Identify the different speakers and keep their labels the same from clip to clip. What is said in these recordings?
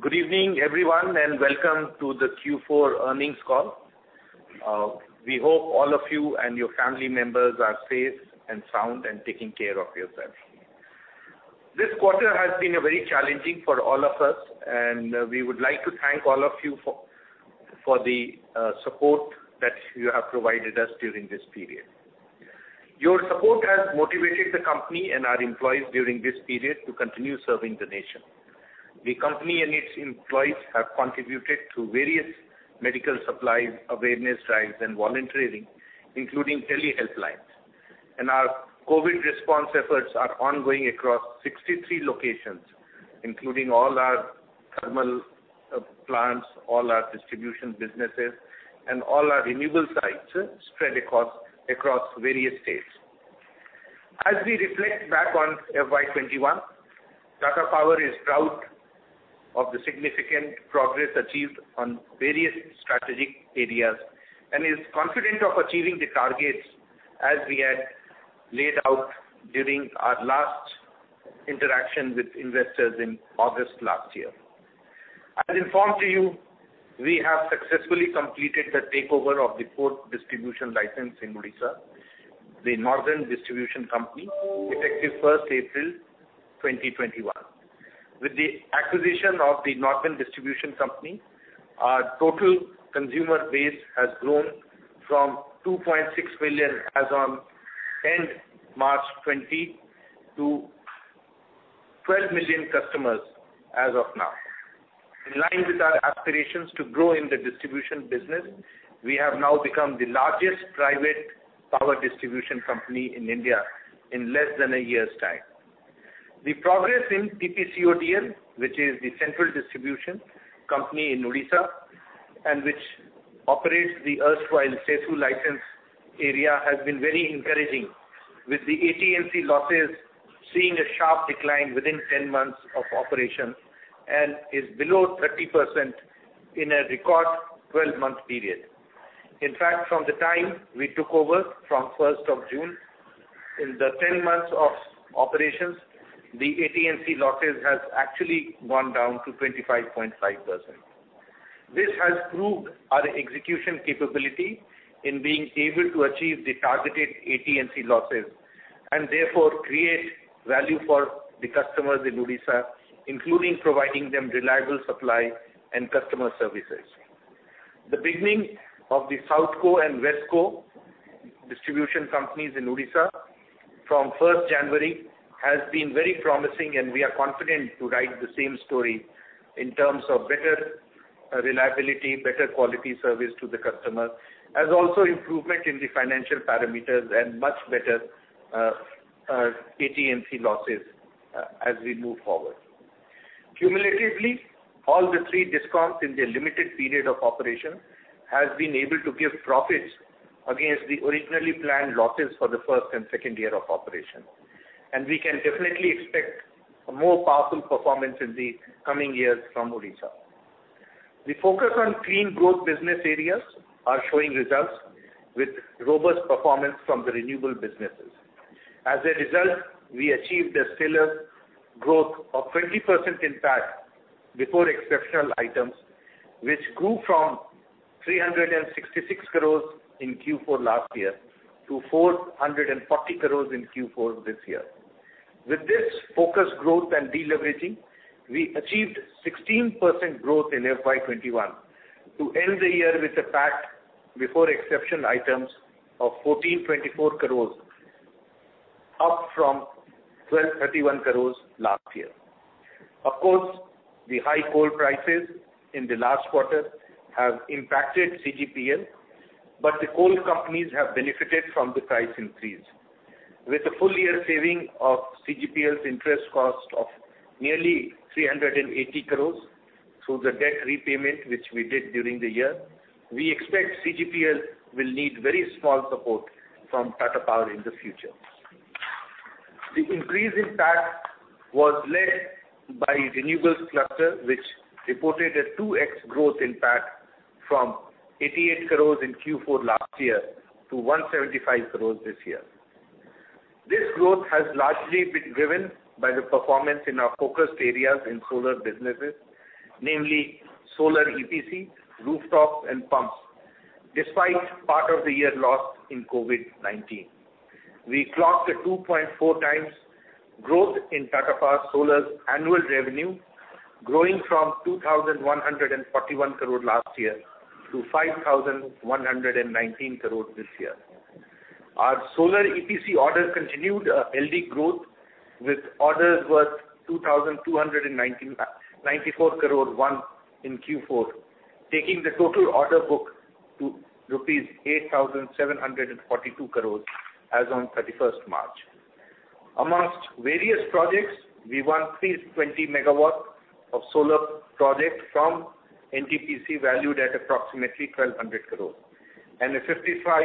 Speaker 1: Good evening, everyone, welcome to the Q4 Earnings Call. We hope all of you and your family members are safe and sound and taking care of yourselves. This quarter has been very challenging for all of us, and we would like to thank all of you for the support that you have provided us during this period. Your support has motivated the company and our employees during this period to continue serving the nation. The company and its employees have contributed to various medical supplies, awareness drives, and volunteering, including telehelplines. Our COVID response efforts are ongoing across 63 locations, including all our thermal plants, all our distribution businesses, and all our renewable sites spread across various states. As we reflect back on FY 2021, Tata Power is proud of the significant progress achieved on various strategic areas, and is confident of achieving the targets as we had laid out during our last interaction with investors in August last year. As informed to you, we have successfully completed the takeover of the fourth distribution license in Odisha, the Northern Distribution Company, effective 1st April 2021. With the acquisition of the Northern Distribution Company, our total consumer base has grown from 2.6 million as on end March 2020 to 12 million customers as of now. In line with our aspirations to grow in the distribution business, we have now become the largest private power distribution company in India in less than a year's time. The progress in TPCODL, which is the central distribution company in Odisha, and which operates the erstwhile CESU license area, has been very encouraging, with the AT&C losses seeing a sharp decline within 10 months of operation, and is below 30% in a record 12-month period. In fact, from the time we took over from 1st of June, in the 10 months of operations, the AT&C losses has actually gone down to 25.5%. This has proved our execution capability in being able to achieve the targeted AT&C losses, and therefore create value for the customers in Odisha, including providing them reliable supply and customer services. The beginning of the SouthCo and WestCo distribution companies in Odisha from 1st January has been very promising, and we are confident to write the same story in terms of better reliability, better quality service to the customer, as also improvement in the financial parameters and much better AT&C losses as we move forward. Cumulatively, all the three DISCOMs in the limited period of operation has been able to give profits against the originally planned losses for the first and second year of operation. We can definitely expect a more powerful performance in the coming years from Odisha. The focus on clean growth business areas are showing results, with robust performance from the renewable businesses. As a result, we achieved a stellar growth of 20% in PAT before exceptional items, which grew from 366 crores in Q4 last year to 440 crores in Q4 this year. With this focused growth and deleveraging, we achieved 16% growth in FY 2021, to end the year with a PAT before exceptional items of 1,424 crores, up from 1,231 crores last year. Of course, the high coal prices in the last quarter have impacted CGPL, but the coal companies have benefited from the price increase. With a full-year saving of CGPL's interest cost of nearly 380 crores through the debt repayment which we did during the year, we expect CGPL will need very small support from Tata Power in the future. The increase in PAT was led by renewables cluster, which reported a 2x growth in PAT from 88 crores in Q4 last year to 175 crores this year. This growth has largely been driven by the performance in our focused areas in solar businesses, namely solar EPC, rooftops, and pumps, despite part of the year lost in COVID-19. We clocked a 2.4 times growth in Tata Power Solar's annual revenue, growing from 2,141 crore last year to 5,119 crore this year. Our solar EPC orders continued a healthy growth, with orders worth 2,294 crore won in Q4, taking the total order book to rupees 8,742 crores as on 31st March. Amongst various projects, we won 320 MW of solar project from NTPC valued at approximately 1,200 crores, and a 55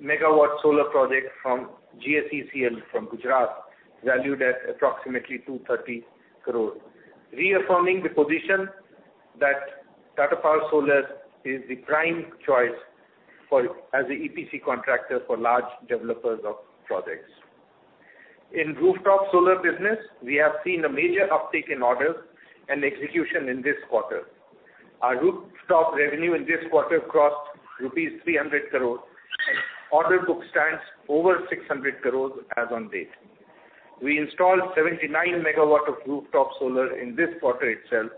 Speaker 1: MW solar project from GSECL from Gujarat valued at approximately 230 crores, reaffirming the position that Tata Power Solar is the prime choice as a EPC contractor for large developers of projects. In rooftop solar business, we have seen a major uptick in orders and execution in this quarter. Our rooftop revenue in this quarter crossed rupees 300 crores and order book stands over 600 crores as on date. We installed 79 MW of rooftop solar in this quarter itself,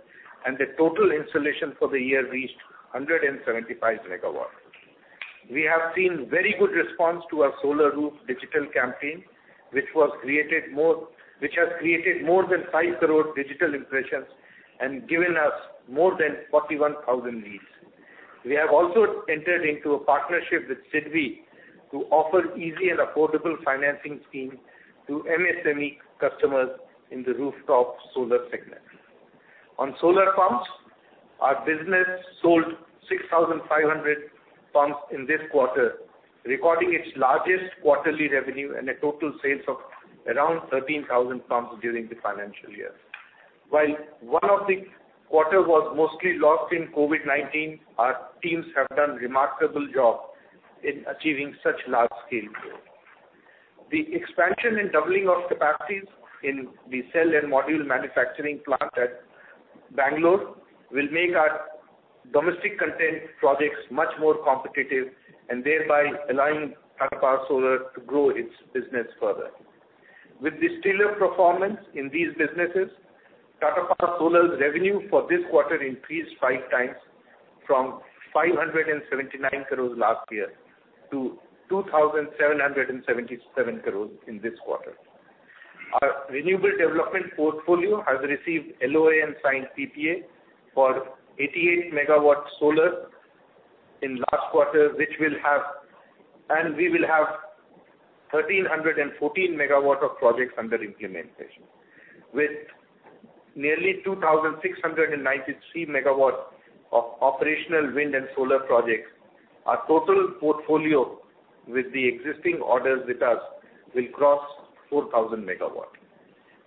Speaker 1: and the total installation for the year reached 175 MW. We have seen very good response to our Solaroof digital campaign, which has created more than 5 crore digital impressions and given us more than 41,000 leads. We have also entered into a partnership with SIDBI to offer easy and affordable financing scheme to MSME customers in the rooftop solar segment. On solar pumps, our business sold 6,500 pumps in this quarter, recording its largest quarterly revenue and a total sales of around 13,000 pumps during the financial year. While one of the quarter was mostly lost in COVID-19, our teams have done remarkable job in achieving such large scale growth. The expansion and doubling of capacities in the cell and module manufacturing plant at Bangalore will make our domestic content projects much more competitive and thereby allowing Tata Power Solar to grow its business further. With this stellar performance in these businesses, Tata Power Solar's revenue for this quarter increased five times from 579 crores last year to 2,777 crores in this quarter. Our renewable development portfolio has received LOA and signed PPA for 88 MW solar in last quarter, and we will have 1,314 MW of projects under implementation. With nearly 2,693 MW of operational wind and solar projects, our total portfolio with the existing orders with us will cross 4,000 MW.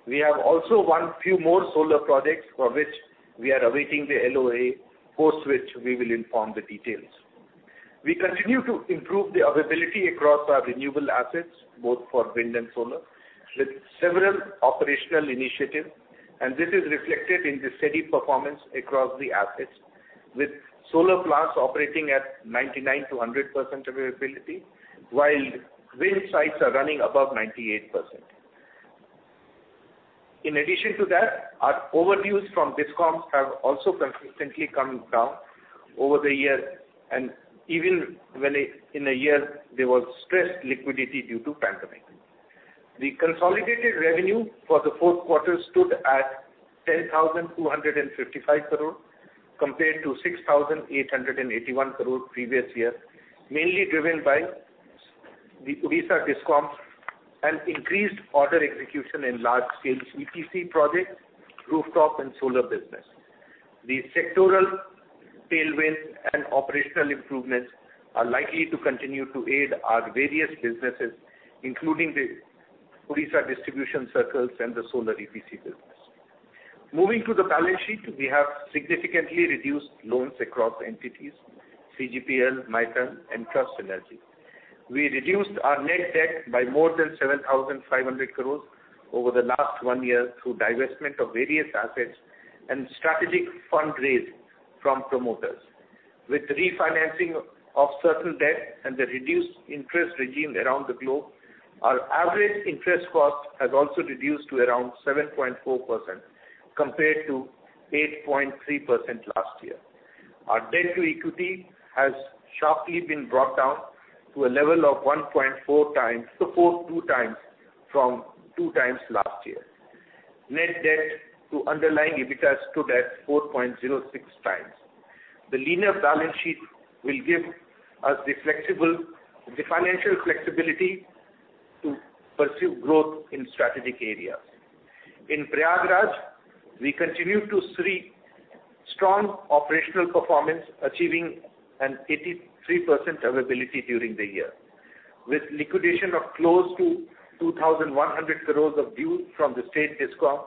Speaker 1: We have also won few more solar projects for which we are awaiting the LOA, post which we will inform the details. We continue to improve the availability across our renewable assets, both for wind and solar, with several operational initiatives. This is reflected in the steady performance across the assets, with solar plants operating at 99%-100% availability, while wind sites are running above 98%. In addition to that, our overdues from DISCOMs have also consistently come down over the years and even when in a year there was stressed liquidity due to pandemic. The consolidated revenue for the fourth quarter stood at 10,255 crore compared to 6,881 crore previous year, mainly driven by the Odisha DISCOMs and increased order execution in large scale EPC projects, rooftop, and solar business. The sectoral tailwind and operational improvements are likely to continue to aid our various businesses, including the Odisha distribution circles and the solar EPC business. Moving to the balance sheet, we have significantly reduced loans across entities, CGPL, Maithon, and Trust Energy. We reduced our net debt by more than 7,500 crores over the last one year through divestment of various assets and strategic fundraise from promoters. With refinancing of certain debt and the reduced interest regime around the globe, our average interest cost has also reduced to around 7.4% compared to 8.3% last year. Our debt to equity has sharply been brought down to a level of 1.4x from two times last year. Net debt to underlying EBITDA stood at 4.06x. The leaner balance sheet will give us the financial flexibility to pursue growth in strategic areas. In Prayagraj, we continue to see strong operational performance, achieving an 83% availability during the year. With liquidation of close to 2,100 crore of dues from the state DISCOM,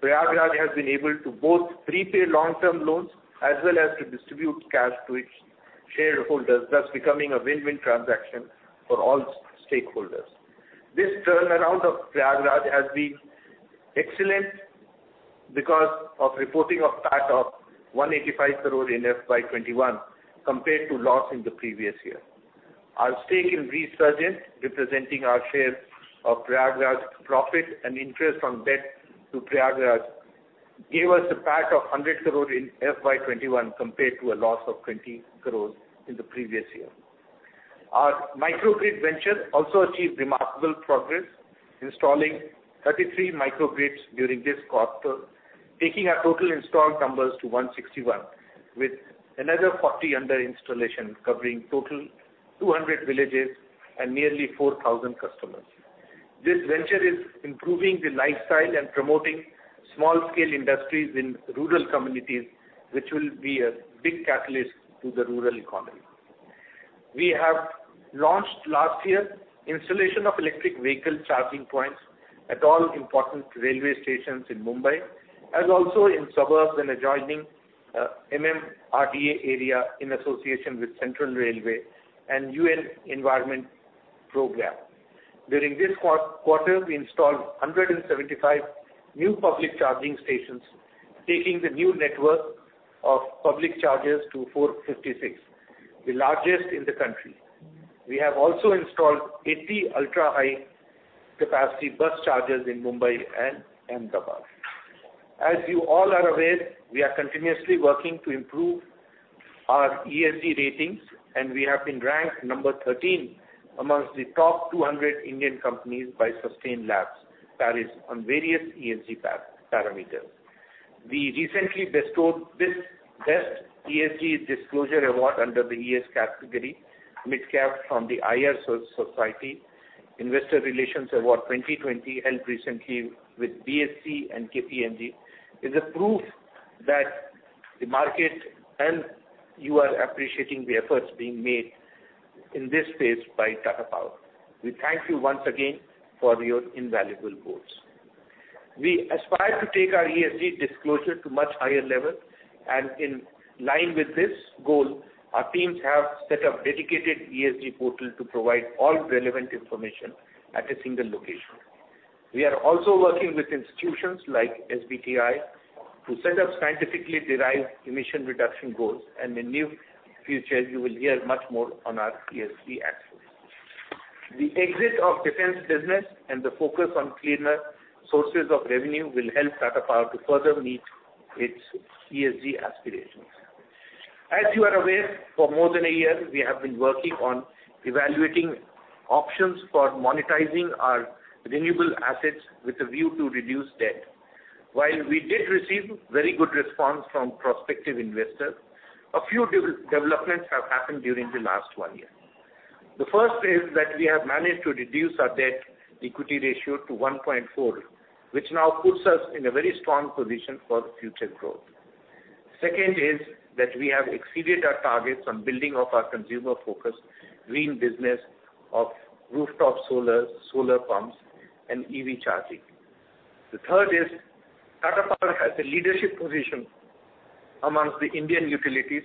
Speaker 1: Prayagraj has been able to both prepay long-term loans as well as to distribute cash to its shareholders, thus becoming a win-win transaction for all stakeholders. This turnaround of Prayagraj has been excellent because of reporting of PAT of 185 crore in FY 2021 compared to loss in the previous year. Our stake in Resurgent, representing our share of Prayagraj's profit and interest on debt to Prayagraj, gave us a PAT of 100 crore in FY 2021 compared to a loss of 20 crore in the previous year. Our Microgrid venture also achieved remarkable progress, installing 33 microgrids during this quarter, taking our total installed numbers to 161, with another 40 under installation, covering total 200 villages and nearly 4,000 customers. This venture is improving the lifestyle and promoting small scale industries in rural communities, which will be a big catalyst to the rural economy. We have launched last year installation of electric vehicle charging points at all important railway stations in Mumbai, as also in suburbs and adjoining MMRDA area in association with Central Railway and UN Environment Program. During this quarter, we installed 175 new public charging stations, taking the new network of public chargers to 456, the largest in the country. We have also installed 80 ultra-high capacity bus chargers in Mumbai and Ahmedabad. As you all are aware, we are continuously working to improve our ESG ratings, and we have been ranked number 13 amongst the top 200 Indian companies by Sustainalytics on various ESG parameters. We recently bestowed this Best ESG Disclosure Award under the ESG category, Mid-Cap from the IR Society Investor Relations Award 2020, and recently with BSE and KPMG, is a proof that the market and you are appreciating the efforts being made in this space by Tata Power. We thank you once again for your invaluable votes. We aspire to take our ESG disclosure to much higher level, and in line with this goal, our teams have set up dedicated ESG portal to provide all relevant information at a single location. We are also working with institutions like SBTi to set up scientifically derived emission reduction goals, and in the near future, you will hear much more on our ESG efforts. The exit of defense business and the focus on cleaner sources of revenue will help Tata Power to further meet its ESG aspirations. As you are aware, for more than one year, we have been working on evaluating options for monetizing our renewable assets with a view to reduce debt. While we did receive very good response from prospective investors, a few developments have happened during the last one year. The first is that we have managed to reduce our debt equity ratio to 1.4, which now puts us in a very strong position for future growth. Second is that we have exceeded our targets on building up our consumer-focused green business of rooftop solar pumps, and EV charging. The third is Tata Power has a leadership position amongst the Indian utilities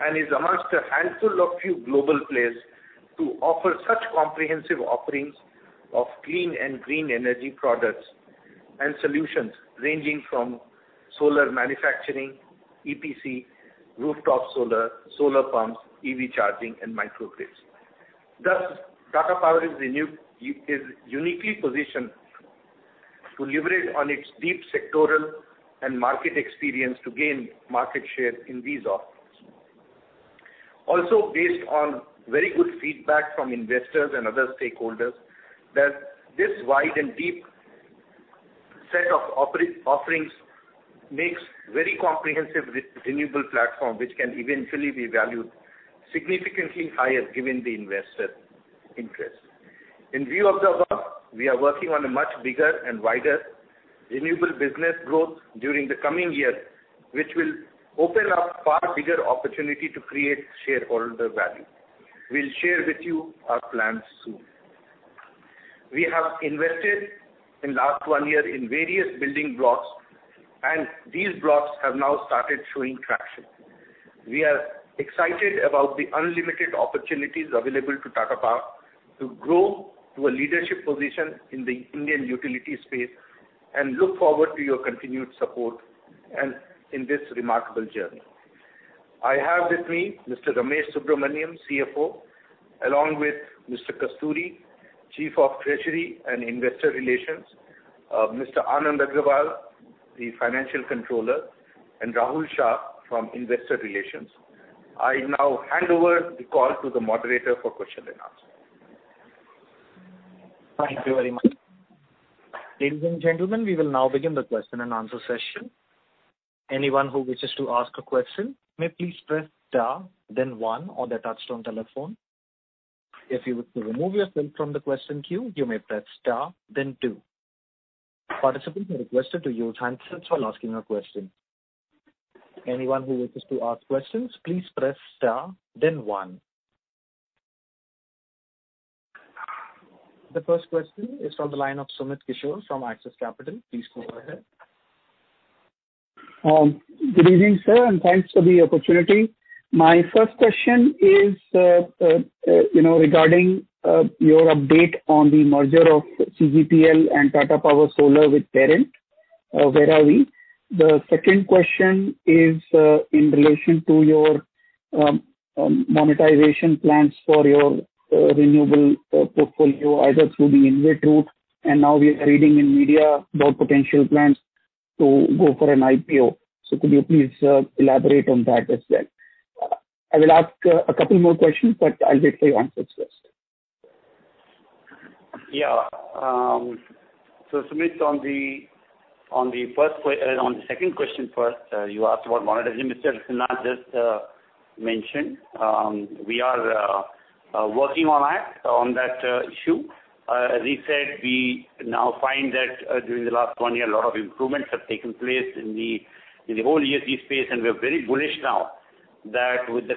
Speaker 1: and is amongst a handful of few global players to offer such comprehensive offerings of clean and green energy products and solutions ranging from solar manufacturing, EPC, rooftop solar pumps, EV charging, and micro-grids. Tata Power is uniquely positioned to leverage on its deep sectoral and market experience to gain market share in these offerings. Based on very good feedback from investors and other stakeholders, that this wide and deep set of offerings makes very comprehensive renewable platform, which can eventually be valued significantly higher given the investor interest. In view of the above, we are working on a much bigger and wider renewable business growth during the coming year, which will open up far bigger opportunity to create shareholder value. We'll share with you our plans soon. We have invested in last one year in various building blocks, and these blocks have now started showing traction. We are excited about the unlimited opportunities available to Tata Power to grow to a leadership position in the Indian utility space and look forward to your continued support in this remarkable journey. I have with me Mr. Ramesh Subramanyam, CFO, along with Mr. Kasturi, Chief of Treasury and Investor Relations, Mr. Anand Agarwal, the Financial Controller, and Rahul Shah from Investor Relations. I now hand over the call to the moderator for question-and-answer.
Speaker 2: The first question is from the line of Sumit Kishore from Axis Capital. Please go ahead.
Speaker 3: Good evening, sir, and thanks for the opportunity. My first question is regarding your update on the merger of CGPL and Tata Power Solar with parent. Where are we? The second question is in relation to your monetization plans for your renewable portfolio, either through the InvIT route, and now we are reading in media about potential plans to go for an IPO. Could you please elaborate on that as well? I will ask a couple more questions, but I'll wait for your answers first.
Speaker 4: Yeah. Sumit, on the second question first, you asked about monetization. Mr. Sinha just mentioned we are working on that issue. As he said, we now find that during the last one year, a lot of improvements have taken place in the whole ESG space, and we are very bullish now that with the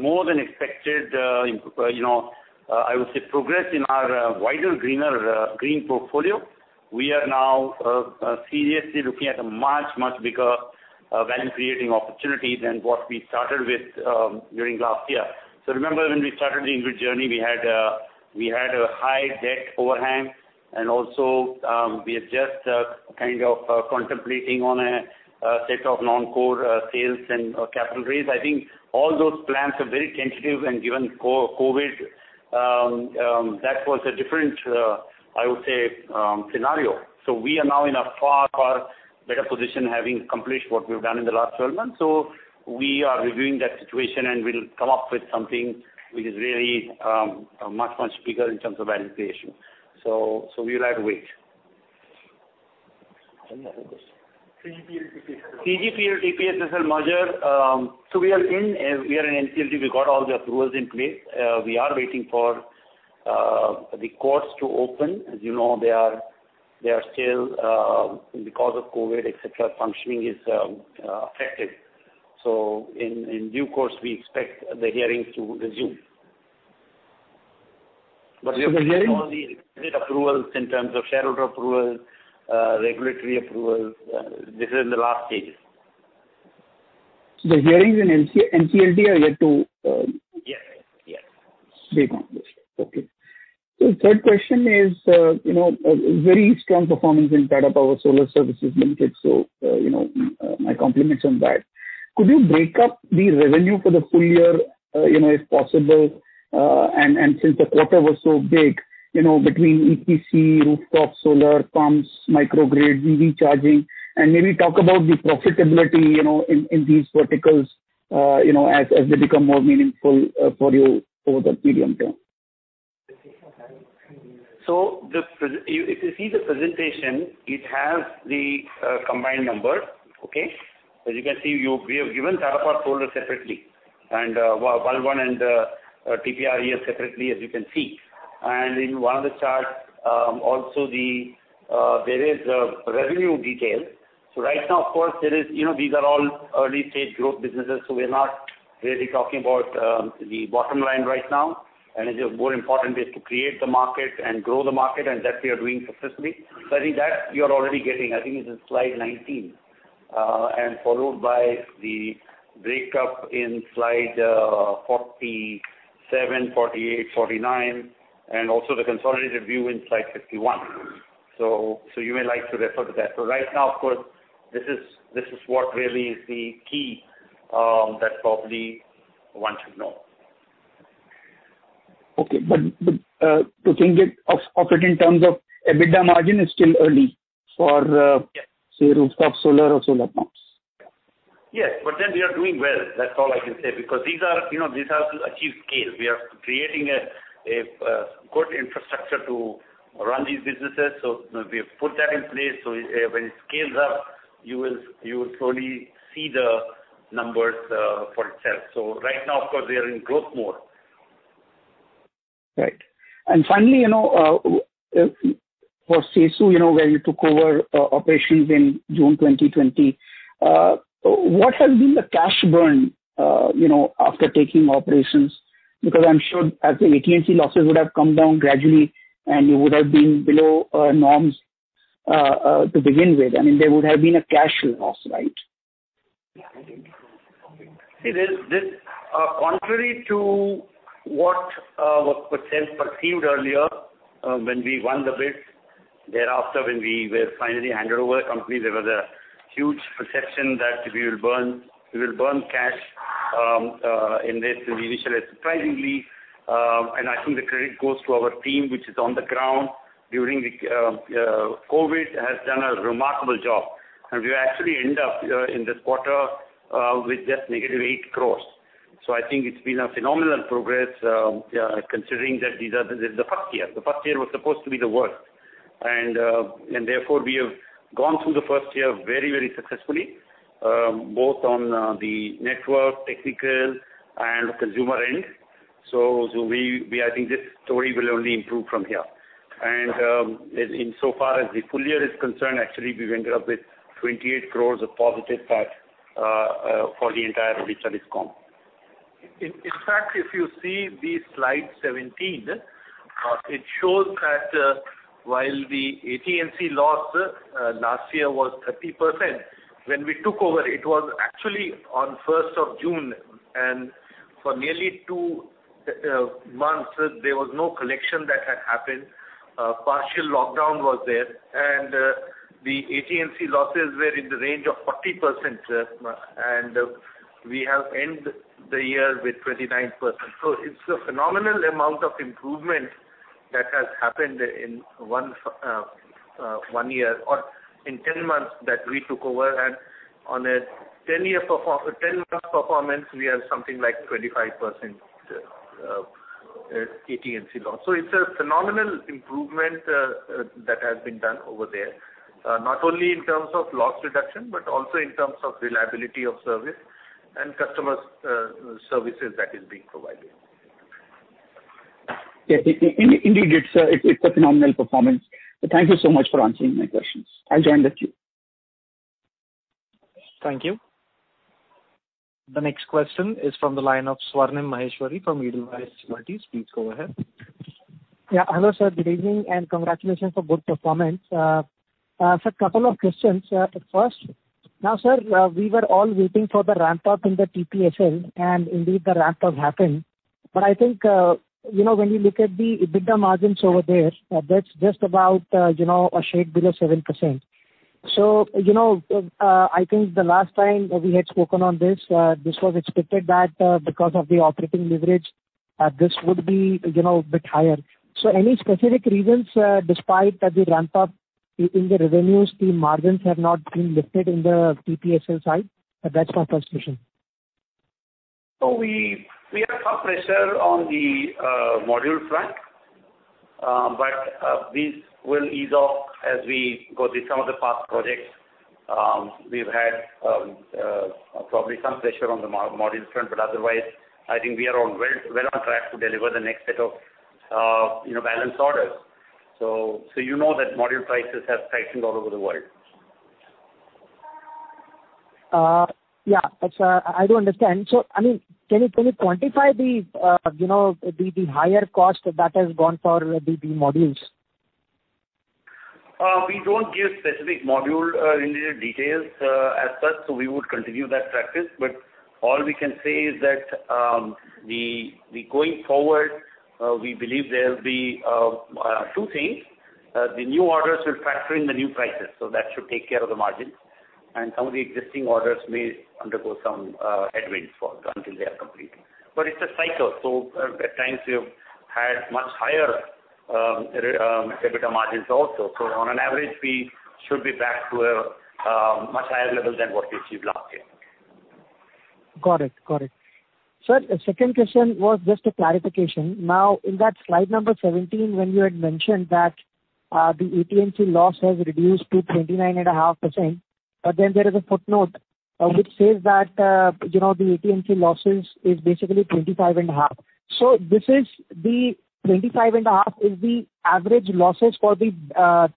Speaker 4: more than expected, I would say, progress in our wider greener green portfolio, we are now seriously looking at a much, much bigger value-creating opportunity than what we started with during last year. Remember, when we started the InvIT journey, we had a high debt overhang, and also we are just contemplating on a set of non-core sales and capital raise. I think all those plans are very tentative and given COVID, that was a different scenario. We are now in a far, far better position having accomplished what we've done in the last 12 months. We are reviewing that situation and we'll come up with something which is really much, much bigger in terms of value creation. You'll have to wait.
Speaker 3: CGPL, TPSSL merger.
Speaker 4: CGPL, TPSSL merger. We are in NCLT, we got all the approvals in place. We are waiting for the courts to open. As you know, they are still, because of COVID, et cetera, functioning is affected. In due course, we expect the hearings to resume. We have all the requisite approvals in terms of shareholder approvals, regulatory approvals. This is in the last stages.
Speaker 3: the hearings in NCLT are yet to
Speaker 4: Yes.
Speaker 3: Be accomplished. Okay. Third question is, very strong performance in Tata Power Solar Systems Limited. My compliments on that. Could you break up the revenue for the full-year, if possible, and since the quarter was so big, between EPC, rooftop solar, pumps, microgrid, EV charging, and maybe talk about the profitability in these verticals as they become more meaningful for you over the medium term.
Speaker 4: If you see the presentation, it has the combined number. Okay? As you can see, we have given Tata Power Solar separately and Walwhan and TPREL separately as you can see. In one of the charts, also there is revenue detail. Right now, of course, these are all early-stage growth businesses, so we're not really talking about the bottom line right now. It's more important is to create the market and grow the market, and that we are doing successfully. I think that you're already getting, I think it's in slide 19, and followed by the break-up in slide 47, 48, 49, and also the consolidated view in slide 51. You may like to refer to that. Right now, of course, this is what really is the key that probably one should know.
Speaker 3: Okay. to think of it in terms of EBITDA margin is still early for
Speaker 4: Yes.
Speaker 3: Say rooftop solar or solar pumps.
Speaker 4: Yes. We are doing well. That's all I can say because these have to achieve scale. We are creating a good infrastructure to run these businesses. We have put that in place so when it scales up, you will slowly see the numbers for itself. Right now, of course, we are in growth mode.
Speaker 3: Right. Finally, for CESU, where you took over operations in June 2020, what has been the cash burn after taking operations? Because I'm sure as the AT&C losses would have come down gradually, and you would have been below norms, to begin with. I mean, there would have been a cash loss, right?
Speaker 4: See, contrary to what was perceived earlier, when we won the bid, thereafter, when we were finally handed over the company, there was a huge perception that we will burn cash, in this initially. Surprisingly, and I think the credit goes to our team, which is on the ground during the COVID, has done a remarkable job. we actually end up in this quarter, with just negative eight crores. I think it's been a phenomenal progress, considering that this is the first year. The first year was supposed to be the worst. we have gone through the first year very, very successfully, both on the network, technical, and consumer end. I think this story will only improve from here. insofar as the full-year is concerned, actually, we've ended up with 28 crores of positive PAT for the entire retail DISCOM.
Speaker 1: In fact, if you see the slide 17, it shows that while the AT&C loss last year was 30%, when we took over, it was actually on 1st of June, and for nearly two months, there was no collection that had happened. Partial lockdown was there, and the AT&C losses were in the range of 40%, and we have ended the year with 29%. It's a phenomenal amount of improvement that has happened in one year or in 10 months that we took over. On a 10 months performance, we have something like 25% AT&C loss. It's a phenomenal improvement that has been done over there, not only in terms of loss reduction, but also in terms of reliability of service and customer services that is being provided.
Speaker 3: Yes. Indeed, it's a phenomenal performance. Thank you so much for answering my questions. I'll join the queue.
Speaker 2: Thank you. The next question is from the line of Swarnim Maheshwari from Edelweiss Securities. Please go ahead.
Speaker 5: Yeah. Hello, sir. Good evening, and congratulations for good performance. Sir, couple of questions. First, now, sir, we were all waiting for the ramp up in the TPSSL, and indeed the ramp up happened. I think when you look at the EBITDA margins over there, that's just about a shade below seven%. I think the last time we had spoken on this was expected that because of the operating leverage, this would be a bit higher. Any specific reasons, despite that the ramp up in the revenues, the margins have not been lifted in the TPSSL side? That's my first question.
Speaker 4: We had some pressure on the module front. This will ease off as we go through some of the past projects. We've had probably some pressure on the module front, but otherwise, I think we are well on track to deliver the next set of balance orders. You know that module prices have tightened all over the world.
Speaker 5: Yeah. I do understand. Can you quantify the higher cost that has gone for the modules?
Speaker 4: We don't give specific module-related details as such, so we would continue that practice. All we can say is that going forward, we believe there will be two things. The new orders will factor in the new prices, so that should take care of the margins, and some of the existing orders may undergo some headwinds until they are completed. It's a cycle, so at times we have had much higher EBITDA margins also. On an average, we should be back to a much higher level than what we achieved last year.
Speaker 5: Got it. Sir, the second question was just a clarification. Now, in that slide number 17, when you had mentioned that the AT&C loss has reduced to 29.5%, but then there is a footnote which says that the AT&C losses is basically 25 and a half. This is the 25 and a half is the average losses for the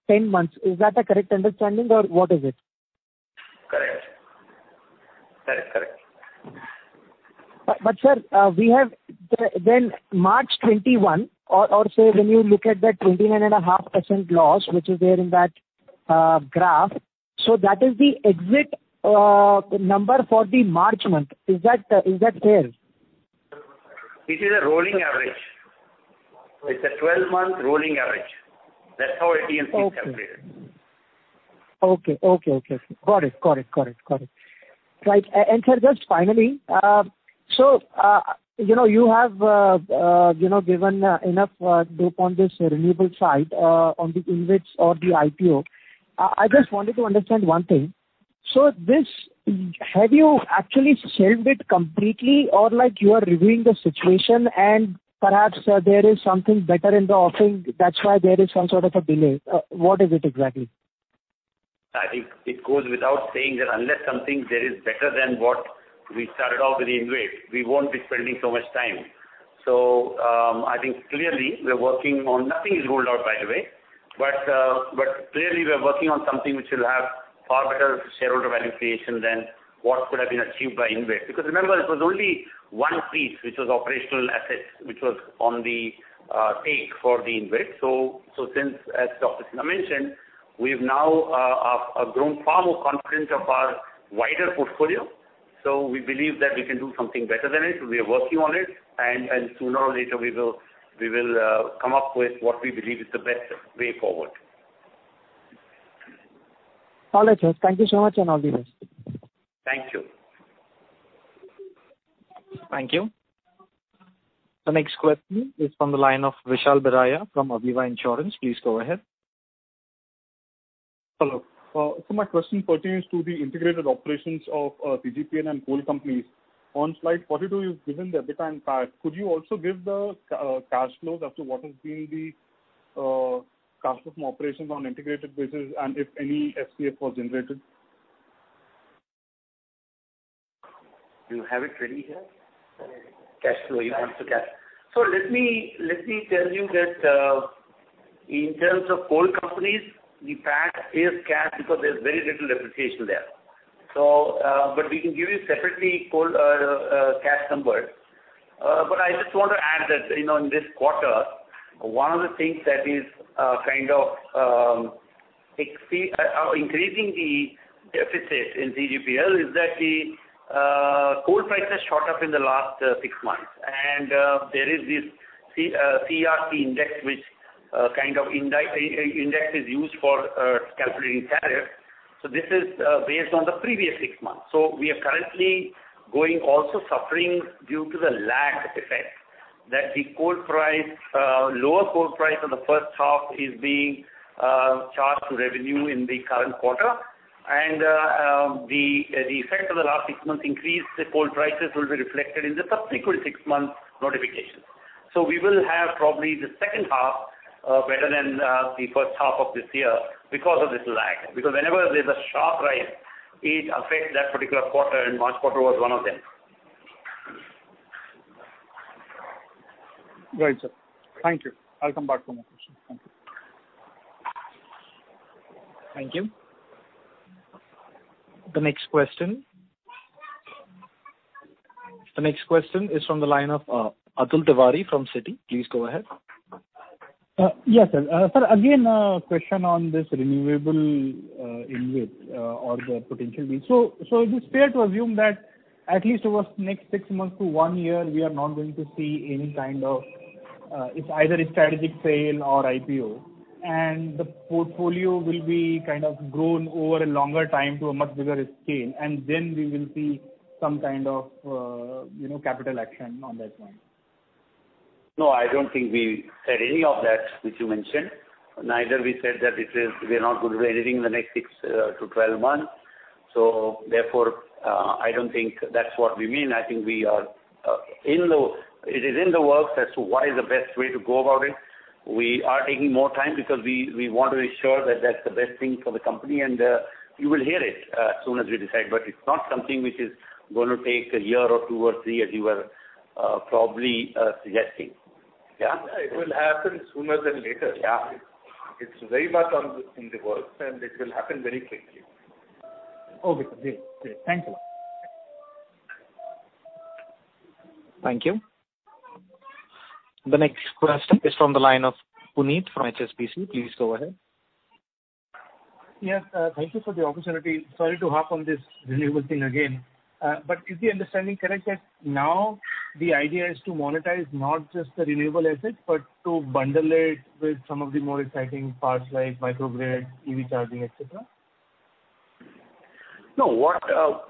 Speaker 5: 10 months. Is that a correct understanding, or what is it?
Speaker 4: Correct.
Speaker 5: Sir, then March 2021, or, say, when you look at that 29.5% loss which is there in that graph. that is the exit number for the March month. Is that fair?
Speaker 4: It is a rolling average. It's a 12-month rolling average. That's how AT&C is calculated.
Speaker 5: Okay. Got it. sir, just finally, so you have given enough dope on this renewable side on the InvIT or the IPO. I just wanted to understand one thing. have you actually shelved it completely, or you are reviewing the situation, and perhaps there is something better in the offering, that's why there is some sort of a delay? What is it exactly?
Speaker 4: I think it goes without saying that unless something there is better than what we started off with the InvIT, we won't be spending so much time. Nothing is ruled out, by the way. Clearly, we are working on something which will have far better shareholder value creation than what could have been achieved by InvIT. Because remember, it was only one piece which was operational assets, which was on the take for the InvIT. Since, as Dr. Sinha mentioned, we've now grown far more confident of our wider portfolio. We believe that we can do something better than it. We are working on it, and sooner or later we will come up with what we believe is the best way forward.
Speaker 5: Got it, sir. Thank you so much, and all the best.
Speaker 4: Thank you.
Speaker 2: Thank you. The next question is from the line of Vishal Biraia from Aviva Insurance. Please go ahead.
Speaker 6: Hello. My question pertains to the integrated operations of CGPL and coal companies. On Slide 42, you've given the EBITDA and PAT. Could you also give the cash flows as to what has been the cash from operations on integrated basis and if any FCF was generated?
Speaker 4: Do you have it ready here? Cash flow, you have the cash. Let me tell you that in terms of coal companies, the PAT is cash because there's very little depreciation there. We can give you separately coal cash numbers. I just want to add that in this quarter, one of the things that is increasing the deficit in CGPL is that the coal prices shot up in the last six months, and there is this CERC index, which kind of index is used for calculating tariff. This is based on the previous six months. We are currently going also suffering due to the lag effect, that the lower coal price on the first half is being charged to revenue in the current quarter. The effect of the last six months increase, the coal prices will be reflected in the subsequent six months notification we will have probably the second half better than the first half of this year because of this lag. Because whenever there's a sharp rise it affects that particular quarter, and March quarter was one of them.
Speaker 6: Great, sir. Thank you. I'll come back for more questions. Thank you.
Speaker 2: Thank you. The next question is from the line of Atul Tiwari from Citi. Please go ahead.
Speaker 7: Yes, sir. Sir, again, a question on this renewable InvIT or the potential InvIT. It is fair to assume that at least over the next six months to one year, we are not going to see any kind of, it's either a strategic sale or IPO, and the portfolio will be grown over a longer time to a much bigger scale, and then we will see some kind of capital action on that front.
Speaker 4: No, I don't think we said any of that, which you mentioned. Neither we said that we're not going to do anything in the next six to 12 months. I don't think that's what we mean. I think it is in the works as to what is the best way to go about it. We are taking more time because we want to ensure that's the best thing for the company, and you will hear it as soon as we decide. It's not something which is going to take a year or two or three as you were probably suggesting. Yeah.
Speaker 1: It will happen sooner than later. Yeah. It's very much in the works, and it will happen very quickly.
Speaker 7: Okay, sir. Thanks a lot.
Speaker 2: Thank you. The next question is from the line of Puneet from HSBC. Please go ahead.
Speaker 8: Yes, thank you for the opportunity. Sorry to harp on this renewable thing again. Is the understanding correct that now the idea is to monetize not just the renewable asset, but to bundle it with some of the more exciting parts like microgrids, EV charging, et cetera?
Speaker 4: No.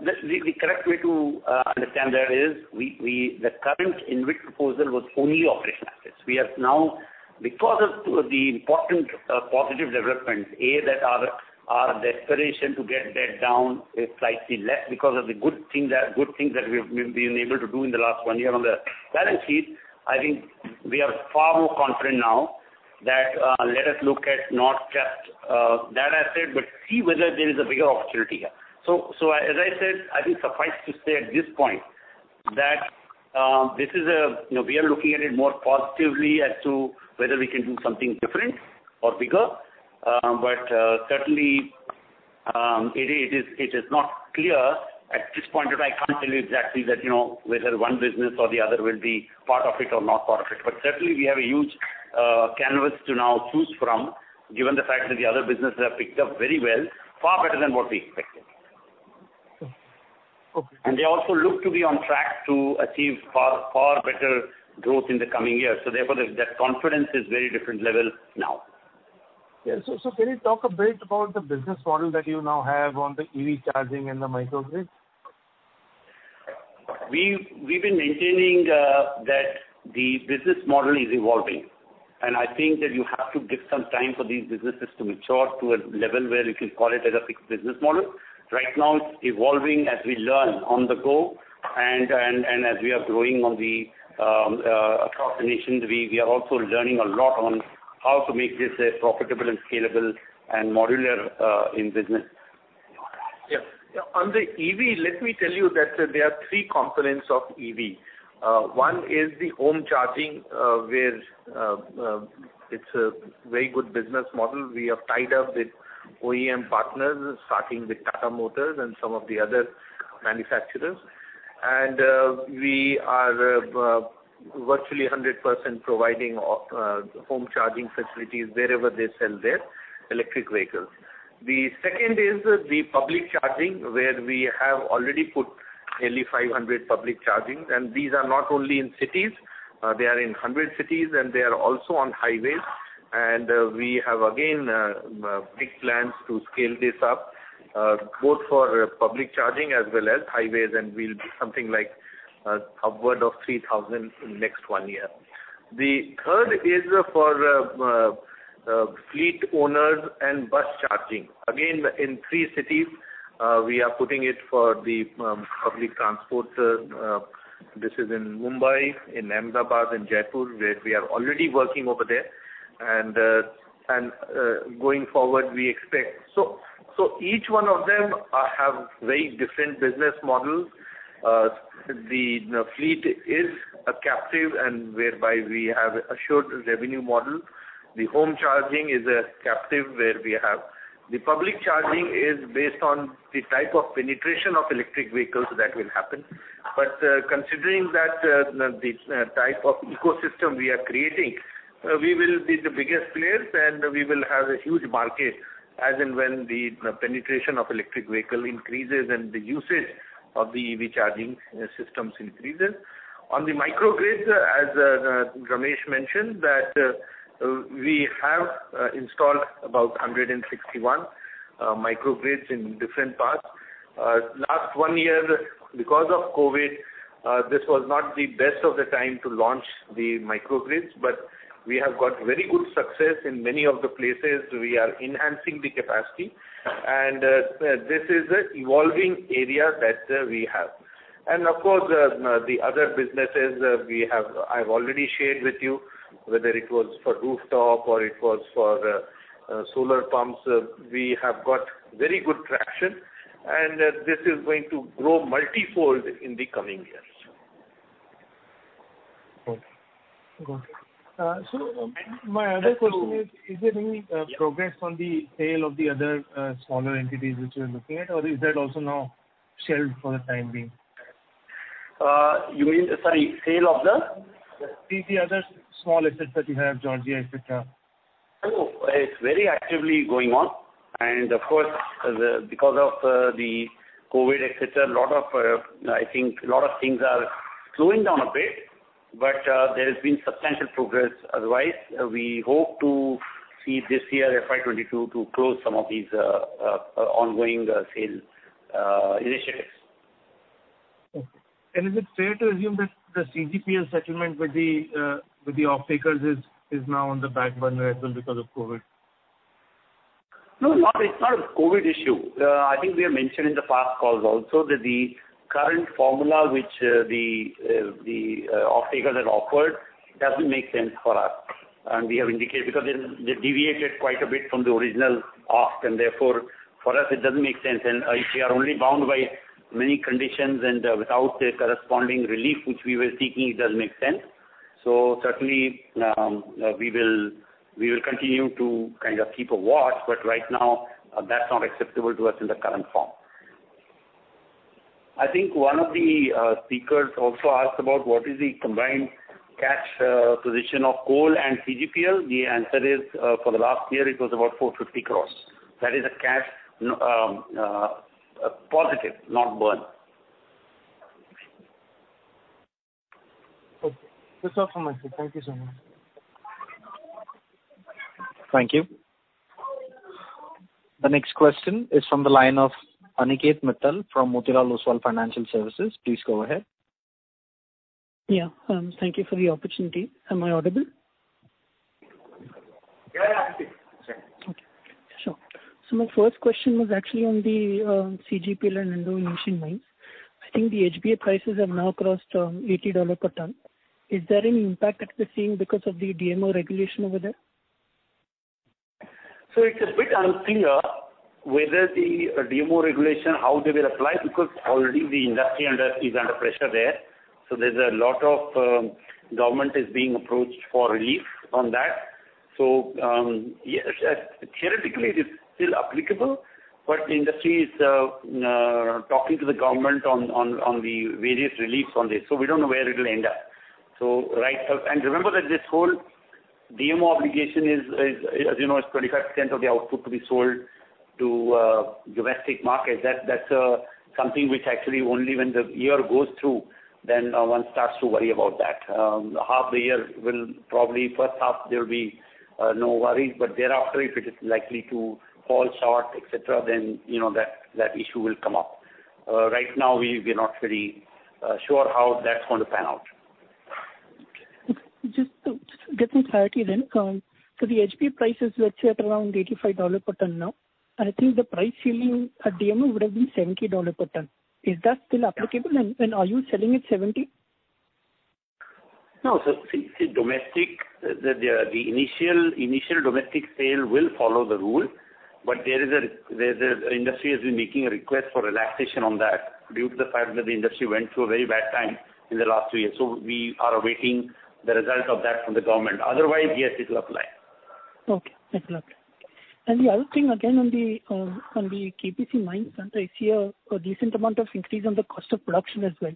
Speaker 4: The correct way to understand that is, the current InvIT proposal was only operational assets. Because of the important positive developments, A, that our desperation to get debt down is slightly less because of the good things that we've been able to do in the last one year on the balance sheet. I think we are far more confident now that let us look at not just that asset, but see whether there is a bigger opportunity here. As I said, I think suffice to say at this point that we are looking at it more positively as to whether we can do something different or bigger. certainly, it is not clear. At this point, I can't tell you exactly that whether one business or the other will be part of it or not part of it certainly, we have a huge canvas to now choose from, given the fact that the other businesses have picked up very well, far better than what we expected.
Speaker 8: Okay.
Speaker 4: they also look to be on track to achieve far better growth in the coming years. that confidence is very different level now.
Speaker 8: Yeah. Can you talk a bit about the business model that you now have on the EV charging and the microgrids?
Speaker 4: We've been maintaining that the business model is evolving, and I think that you have to give some time for these businesses to mature to a level where you can call it as a fixed business model. Right now, it's evolving as we learn on the go, and as we are growing across the nation, we are also learning a lot on how to make this a profitable and scalable and modular in business.
Speaker 1: Yes. On the EV, let me tell you that there are three components of EV. One is the home charging, where it's a very good business model. We have tied up with OEM partners, starting with Tata Motors and some of the other manufacturers. We are virtually 100% providing home charging facilities wherever they sell their electric vehicles. The second is the public charging, where we have already put nearly 500 public charging. These are not only in cities, they are in 100 cities, and they are also on highways. We have, again, big plans to scale this up, both for public charging as well as highways, and we'll be something like upward of 3,000 in next one year. The third is for fleet owners and bus charging. Again, in three cities, we are putting it for the public transport. This is in Mumbai, in Ahmedabad, in Jaipur, where we are already working over there. Going forward, each one of them have very different business models. The fleet is a captive and whereby we have assured revenue model. The home charging is a captive where we have. The public charging is based on the type of penetration of electric vehicles that will happen. Considering that the type of ecosystem we are creating, we will be the biggest players, and we will have a huge market as and when the penetration of electric vehicle increases and the usage of the EV charging systems increases. On the microgrids, as Ramesh mentioned, that we have installed about 161 microgrids in different parts. Last one year, because of COVID, this was not the best of the time to launch the microgrids, but we have got very good success in many of the places. We are enhancing the capacity. This is an evolving area that we have. Of course, the other businesses I've already shared with you, whether it was for rooftop or it was for solar pumps, we have got very good traction, and this is going to grow multifold in the coming years.
Speaker 8: Okay. My other question is there any progress on the sale of the other smaller entities which you're looking at, or is that also now shelved for the time being?
Speaker 4: You mean the sale of the?
Speaker 8: The other small assets that you have, Georgia, et cetera.
Speaker 4: No, it's very actively going on. Of course, because of the COVID, et cetera, I think a lot of things are slowing down a bit, but there has been substantial progress otherwise. We hope to see this year, FY 2022, to close some of these ongoing sales initiatives.
Speaker 8: Okay. Is it fair to assume that the CGPL settlement with the off-takers is now on the back burner as well because of COVID?
Speaker 4: No, it's not a COVID issue. I think we have mentioned in the past calls also that the current formula which the off-takers have offered doesn't make sense for us. We have indicated, because they deviated quite a bit from the original ask, and therefore for us it doesn't make sense. If we are only bound by many conditions and without a corresponding relief, which we were seeking, it doesn't make sense. Certainly, we will continue to keep a watch, but right now, that's not acceptable to us in the current form. I think one of the speakers also asked about what is the combined cash position of coal and CGPL. The answer is, for the last year, it was about 450 crores. That is a cash positive, not burn.
Speaker 8: Okay. That's all from my side. Thank you so much.
Speaker 4: Thank you.
Speaker 2: The next question is from the line of Aniket Mittal from Motilal Oswal Financial Services. Please go ahead.
Speaker 9: Yeah. Thank you for the opportunity. Am I audible?
Speaker 4: Yeah, I can hear you.
Speaker 9: Okay. Sure. my first question was actually on the CGPL and Indonesian mines. I think the HBA prices have now crossed $80 per ton. Is there any impact that we're seeing because of the DMO regulation over there?
Speaker 4: it's a bit unclear whether the DMO regulation, how they will apply, because already the industry is under pressure there. there's a lot of government is being approached for relief on that. theoretically, it is still applicable, but the industry is talking to the government on the various reliefs on this. we don't know where it'll end up. remember that this whole DMO obligation is, as you know, is 25% of the output to be sold to domestic markets. That's something which actually, only when the year goes through, then one starts to worry about that. Half the year, probably first half, there'll be no worries, but thereafter, if it is likely to fall short, et cetera, then that issue will come up. Right now, we're not very sure how that's going to pan out.
Speaker 9: Okay. Just to get some clarity then. The HBA prices, let's say, at around 85 dollar per ton now. I think the price ceiling at DMO would have been 70 dollar per ton. Is that still applicable, and are you selling at 70?
Speaker 4: No. The initial domestic sale will follow the rule, but the industry has been making a request for relaxation on that due to the fact that the industry went through a very bad time in the last three years. We are awaiting the result of that from the government. Otherwise, yes, it will apply.
Speaker 9: Okay. That's clear. The other thing again on the KPC mines front, I see a decent amount of increase on the cost of production as well.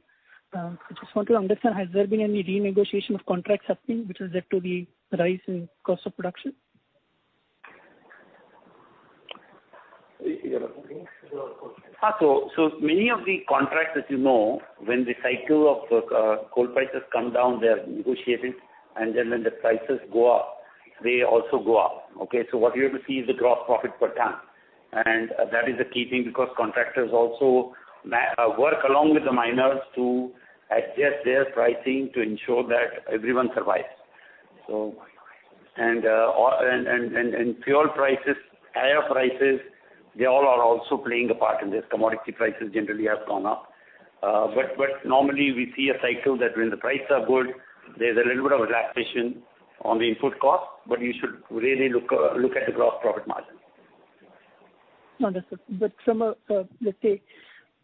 Speaker 9: I just want to understand, has there been any renegotiation of contracts happening, which has led to the rise in cost of production?
Speaker 4: Many of the contracts, as you know, when the cycle of coal prices come down, they're negotiated, and then when the prices go up, they also go up. Okay? what you have to see is the gross profit per ton. that is the key thing because contractors also work along with the miners to adjust their pricing to ensure that everyone survives. fuel prices, higher prices, they all are also playing a part in this. Commodity prices generally have gone up. normally we see a cycle that when the prices are good, there's a little bit of relaxation on the input cost, but you should really look at the gross profit margin.
Speaker 9: Understood. from a, let's say,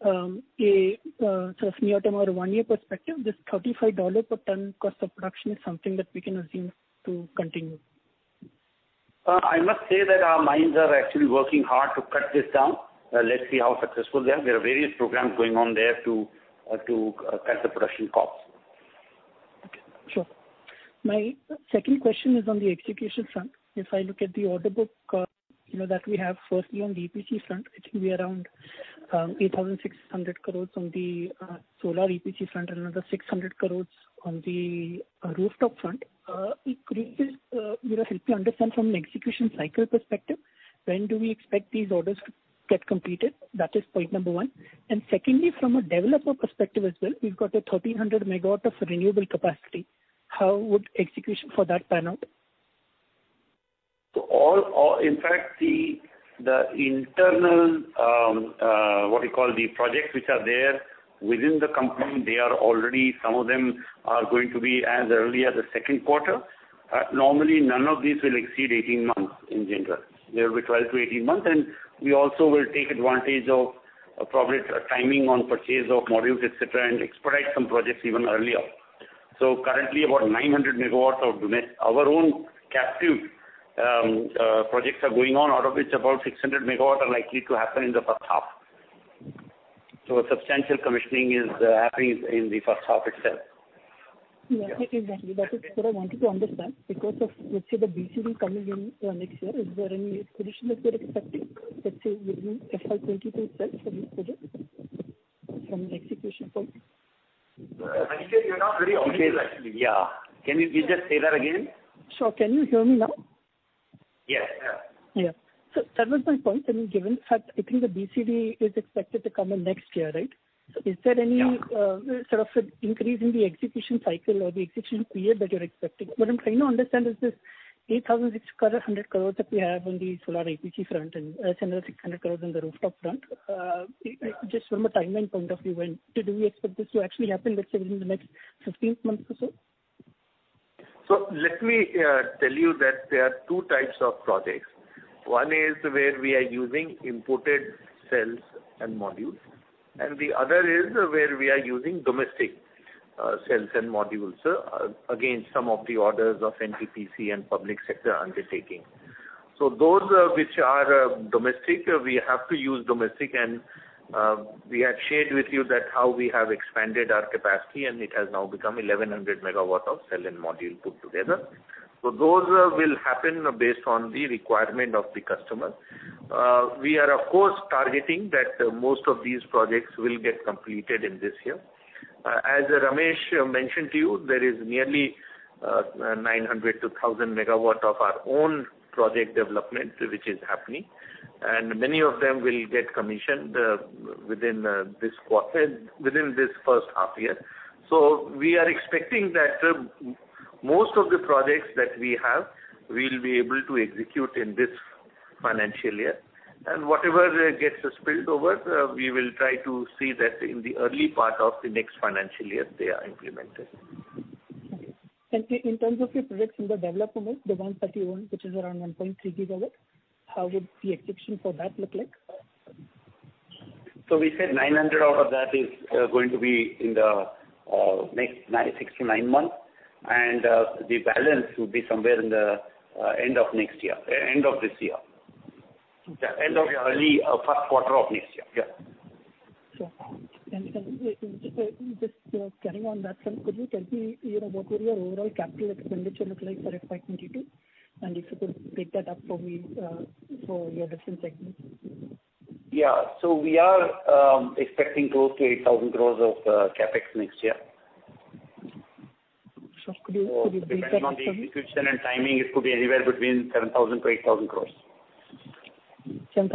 Speaker 9: a near-term or one-year perspective, this INR 35 per ton cost of production is something that we can assume to continue.
Speaker 4: I must say that our mines are actually working hard to cut this down. Let's see how successful they are. There are various programs going on there to cut the production costs.
Speaker 9: Okay. Sure. My second question is on the execution front. If I look at the order book that we have, firstly, on the EPC front, it will be around 8,600 crores on the solar EPC front, another 600 crores on the rooftop front. Could you just help me understand from an execution cycle perspective, when do we expect these orders to get completed? That is point number one. Secondly, from a developer perspective as well, we've got a 1,300 MW of renewable capacity. How would execution for that pan out?
Speaker 4: In fact, the internal projects which are there within the company, some of them are going to be as early as the second quarter. Normally, none of these will exceed 18 months in general. They'll be 12 to 18 months, and we also will take advantage of appropriate timing on purchase of modules, et cetera, and expedite some projects even earlier. Currently, about 900 MW of our own captive projects are going on, out of which about 600 MW are likely to happen in the first half. A substantial commissioning is happening in the first half itself.
Speaker 9: Yeah, exactly. That is what I wanted to understand. Because of, let's say, the BCD coming in next year, is there any additional risk you're accepting, let's say, within FY 2022 itself for these projects from an execution point?
Speaker 4: Aniket, you're not very audible actually. Yeah. Can you just say that again?
Speaker 9: Sure. Can you hear me now?
Speaker 4: Yes.
Speaker 9: Yeah. That was my point. I mean, given that I think the BCD is expected to come in next year, right? Is there any sort of increase in the execution cycle or the execution period that you're expecting? What I'm trying to understand is this 8,600 crores that we have on the solar EPC front and 600 crores on the rooftop front. Just from a timeline point of view, do we expect this to actually happen, let's say, within the next 15 months or so?
Speaker 1: let me tell you that there are two types of projects. One is where we are using imported cells and modules, and the other is where we are using domestic cells and modules. Again, some of the orders of NTPC and public sector undertaking. those which are domestic, we have to use domestic, and we had shared with you that how we have expanded our capacity, and it has now become 1,100 MW of cell and module put together. those will happen based on the requirement of the customer. We are, of course, targeting that most of these projects will get completed in this year. As Ramesh mentioned to you, there is nearly 900-1,000 MW of our own project development which is happening, and many of them will get commissioned within this first half year. We are expecting that most of the projects that we have, we'll be able to execute in this financial year. Whatever gets spilled over, we will try to see that in the early part of the next financial year they are implemented.
Speaker 9: Okay. In terms of your projects in the development, the ones that you own, which is around 1.3 GW, how would the execution for that look like?
Speaker 4: We said 900 out of that is going to be in the next six to nine months, and the balance would be somewhere in the end of this year. Yeah. End of early first quarter of next year. Yeah.
Speaker 9: Sure. just carrying on that front, could you tell me what would your overall capital expenditure look like for FY 2022? if you could break that up for me for your different segments.
Speaker 4: Yeah. We are expecting close to 8,000 crores of CapEx next year.
Speaker 9: Sure. Could you break that up for me?
Speaker 4: Depending on the execution and timing, it could be anywhere between 7,000 crore-8,000 crore.
Speaker 9: 7,000-8,000 crores of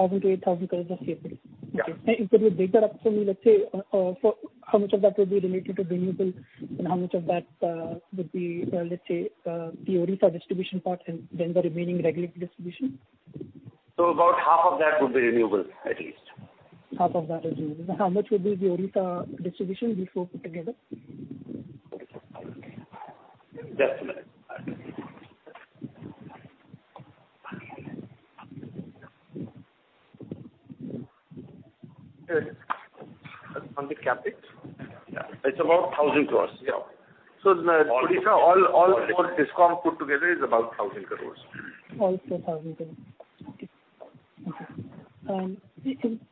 Speaker 9: CapEx.
Speaker 4: Yeah.
Speaker 9: if you could break that up for me, let's say, how much of that would be related to renewable and how much of that would be, let's say, the Odisha distribution part and then the remaining regular distribution?
Speaker 4: About half of that would be renewable, at least.
Speaker 9: Half of that is renewable. How much would be the Odisha distribution, these four put together?
Speaker 4: On the CapEx? Yeah. It's about 1,000 crores. Yeah. Odisha, all four DISCOM put together is about 1,000 crores.
Speaker 9: 1,000 crores. Okay.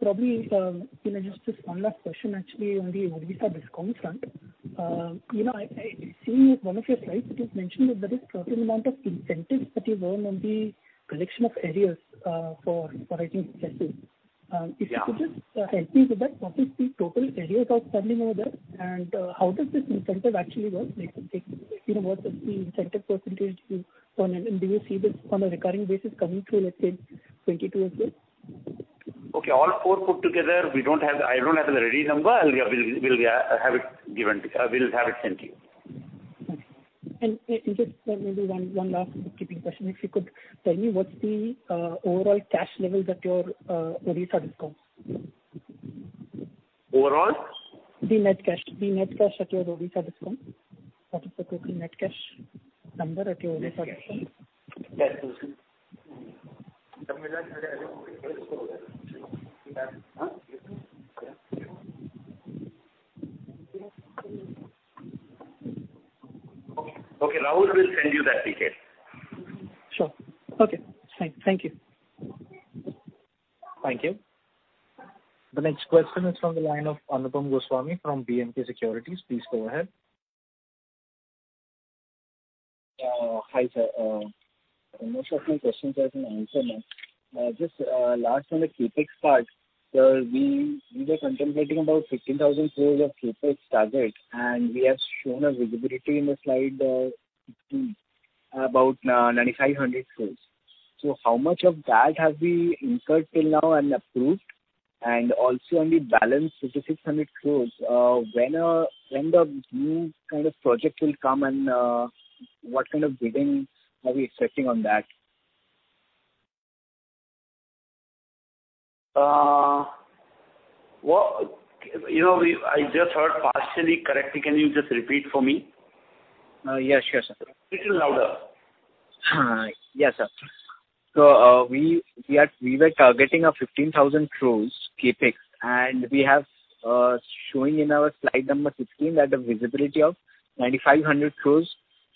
Speaker 9: Probably, just this one last question, actually, on the Odisha DISCOM front. I see in one of your slides it is mentioned that there is certain amount of incentives that you earn on the collection of arrears for, I think,.
Speaker 4: Yeah.
Speaker 9: If you could just help me with that, what is the total arrears recovery over there, and how does this incentive actually work? Like, what is the incentive percentage you earn, and do you see this on a recurring basis coming through, let's say, FY 2022 as well?
Speaker 4: Okay. All four put together, I don't have the ready number. We'll have it sent to you.
Speaker 9: Okay. Just maybe one last bookkeeping question. If you could tell me what's the overall cash levels at your Odisha DISCOMs?
Speaker 4: Overall?
Speaker 9: The net cash at your Odisha DISCOM? What is the total net cash number at your Odisha DISCOM?
Speaker 4: Net cash. Okay, Rahul will send you that detail.
Speaker 9: Sure. Okay. Thank you.
Speaker 2: Thank you. The next question is from the line of Anupam Goswami from B&K Securities. Please go ahead.
Speaker 10: Hi, sir. Most of my questions have been answered now. Just last, on the CapEx part, sir, we were contemplating about 15,000 crores of CapEx target, and we have shown a visibility in the slide about 9,500 crores. How much of that has been incurred till now and approved? Also on the balance 5,600 crores, when the new kind of project will come and what kind of bidding are we expecting on that?
Speaker 4: I just heard partially. Correctly, can you just repeat for me?
Speaker 10: Yes, sure, sir.
Speaker 4: Little louder.
Speaker 10: Yes, sir. We were targeting a 15,000 crores CapEx, and we have showing in our slide number 16 that the visibility of 9,500 crores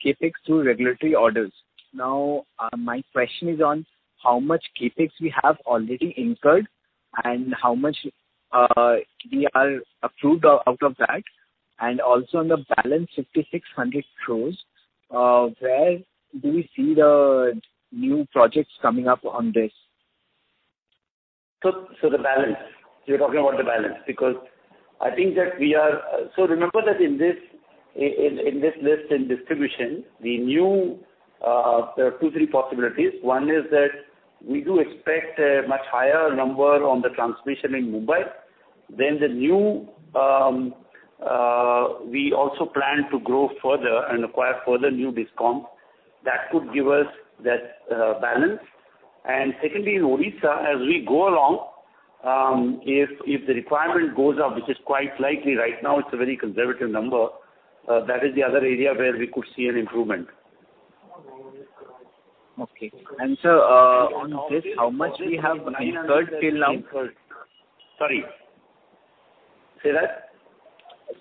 Speaker 10: CapEx through regulatory orders. Now, my question is on how much CapEx we have already incurred and how much we are approved out of that. Also on the balance 5,600 crores, where do we see the new projects coming up on this?
Speaker 4: The balance. You're talking about the balance. remember that in this list in distribution, we knew there are two, three possibilities. One is that we do expect a much higher number on the transmission in Mumbai. we also plan to grow further and acquire further new DISCOM. That could give us that balance. secondly, in Odisha, as we go along, if the requirement goes up, which is quite likely right now, it's a very conservative number, that is the other area where we could see an improvement.
Speaker 10: Okay. sir, on this, how much we have incurred till now?
Speaker 4: Sorry. Say that.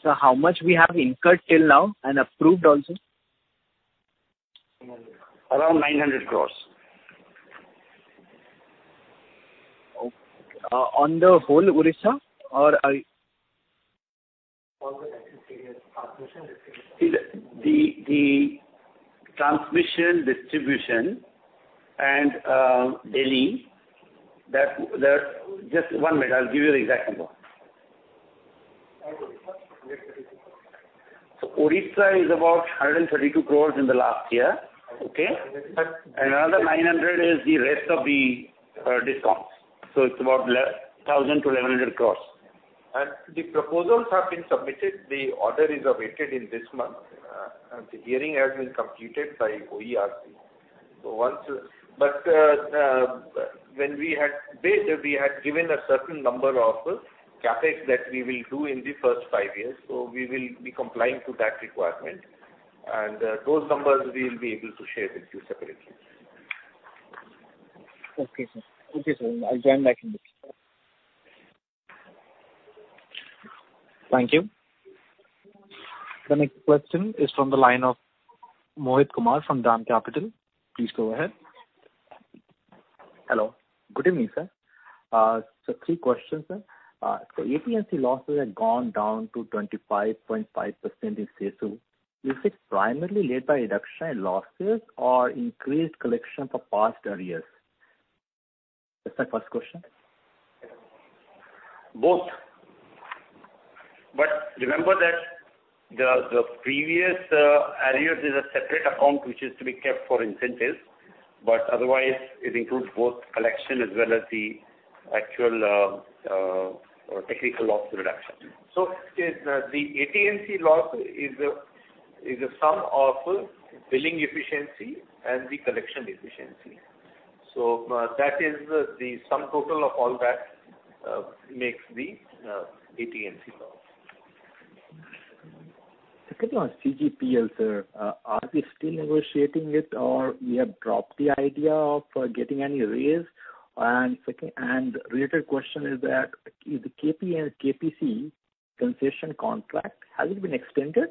Speaker 10: Sir, how much we have incurred till now and approved also?
Speaker 4: Around INR 900 crores.
Speaker 10: On the whole Odisha?
Speaker 11: All the transmission, distribution.
Speaker 4: The transmission, distribution, and Delhi. Just one minute, I'll give you the exact number.
Speaker 11: Odisha.
Speaker 4: Odisha is about 132 crores in the last year. Okay? Another 900 is the rest of the DISCOMs. It's about 1,000 crores-1,100 crores. The proposals have been submitted. The order is awaited in this month. The hearing has been completed by OERC. We had given a certain number of CapEx that we will do in the first five years, so we will be complying to that requirement. Those numbers we will be able to share with you separately.
Speaker 10: Okay, sir. I'll join back in this.
Speaker 2: Thank you. The next question is from the line of Mohit Kumar from DAM Capital. Please go ahead.
Speaker 12: Hello. Good evening, sir. Three questions, sir. AT&C losses had gone down to 25.5% in CESU. Is it primarily led by reduction in losses or increased collection for past arrears? That's my first question.
Speaker 4: Both. remember that the previous arrears is a separate account which is to be kept for incentives, but otherwise it includes both collection as well as the actual technical loss reduction. the AT&C loss is a sum of billing efficiency and the collection efficiency. the sum total of all that makes the AT&C loss.
Speaker 12: Second one, CGPL, sir. Are we still negotiating it or we have dropped the idea of getting any raise? Related question is that, the KPC concession contract, has it been extended?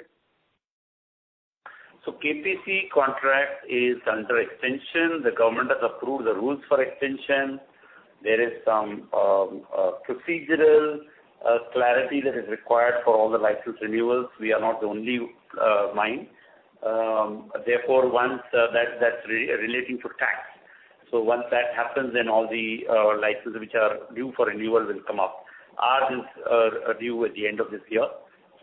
Speaker 4: KPC contract is under extension. The government has approved the rules for extension. There is some procedural clarity that is required for all the license renewals. We are not the only mine. That's relating to tax. Once that happens, then all the licenses which are due for renewal will come up. Ours is due at the end of this year.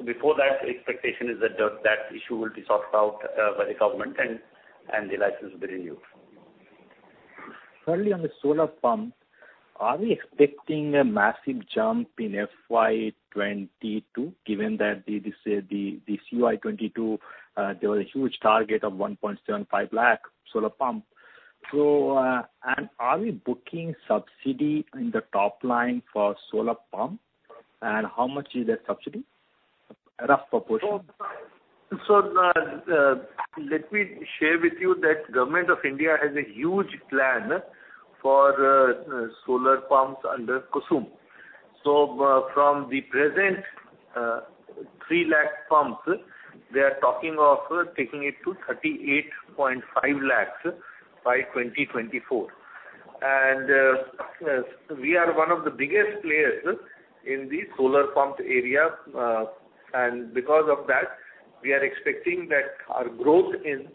Speaker 4: Before that, expectation is that issue will be sorted out by the government and the license will be renewed.
Speaker 12: Thirdly, on the solar pump, are we expecting a massive jump in FY 2022, given that the CY 2022, there was a huge target of 1.75 lakh solar pump? Are we booking subsidy in the top line for solar pump? How much is that subsidy? Rough proportion.
Speaker 1: Let me share with you that Government of India has a huge plan for solar pumps under KUSUM. From the present 300,000 pumps, they are talking of taking it to 385,000 by 2024. We are one of the biggest players in the solar pump area. Because of that, we are expecting that our growth in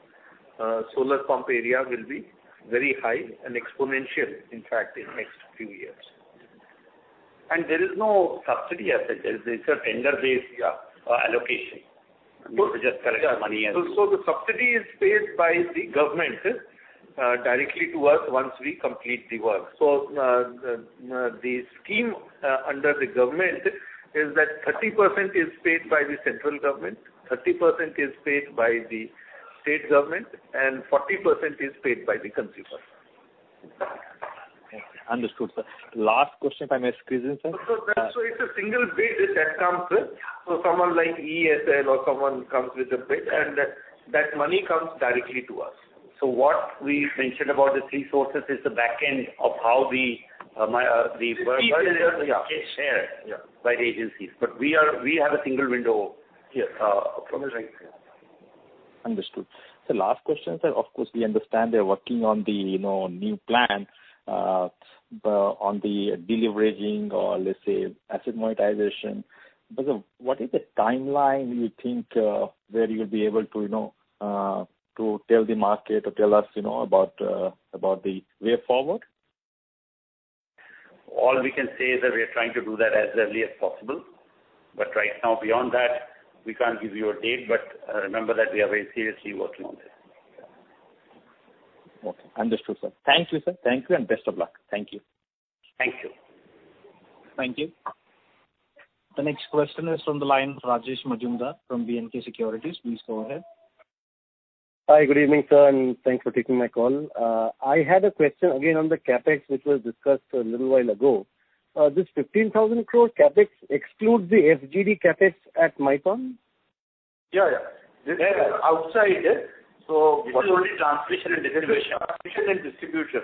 Speaker 1: solar pump area will be very high and exponential, in fact, in next few years. There is no subsidy as such. There is a tender based allocation. Just collect the money and the subsidy is paid by the government directly to us once we complete the work. The scheme under the government is that 30% is paid by the central government, 30% is paid by the state government, and 40% is paid by the consumer.
Speaker 12: Okay. Understood, sir. Last question, if I may squeeze in, sir
Speaker 1: it's a single bid that comes in, so someone like EESL or someone comes with a bid, and that money comes directly to us.
Speaker 4: What we mentioned about the three sources is the back end of how the fee is just get shared by the agencies. We have a single window here from the right.
Speaker 12: Understood. Sir, last question, sir. Of course, we understand they're working on the new plan, on the deleveraging or let's say asset monetization. sir, what is the timeline you think where you'll be able to tell the market or tell us about the way forward?
Speaker 1: All we can say is that we are trying to do that as early as possible. Right now, beyond that, we can't give you a date, but remember that we are very seriously working on this.
Speaker 12: Okay. Understood, sir. Thank you, sir. Thank you and best of luck. Thank you.
Speaker 1: Thank you.
Speaker 2: Thank you. The next question is from the line, Rajesh Majumdar from B&K Securities. Please go ahead.
Speaker 13: Hi. Good evening, sir, and thanks for taking my call. I had a question again on the CapEx, which was discussed a little while ago. This 15,000 crore CapEx excludes the FGD CapEx at Maithon?
Speaker 1: Yeah. This is outside.
Speaker 4: This is only transmission and distribution.
Speaker 1: Transmission and distribution.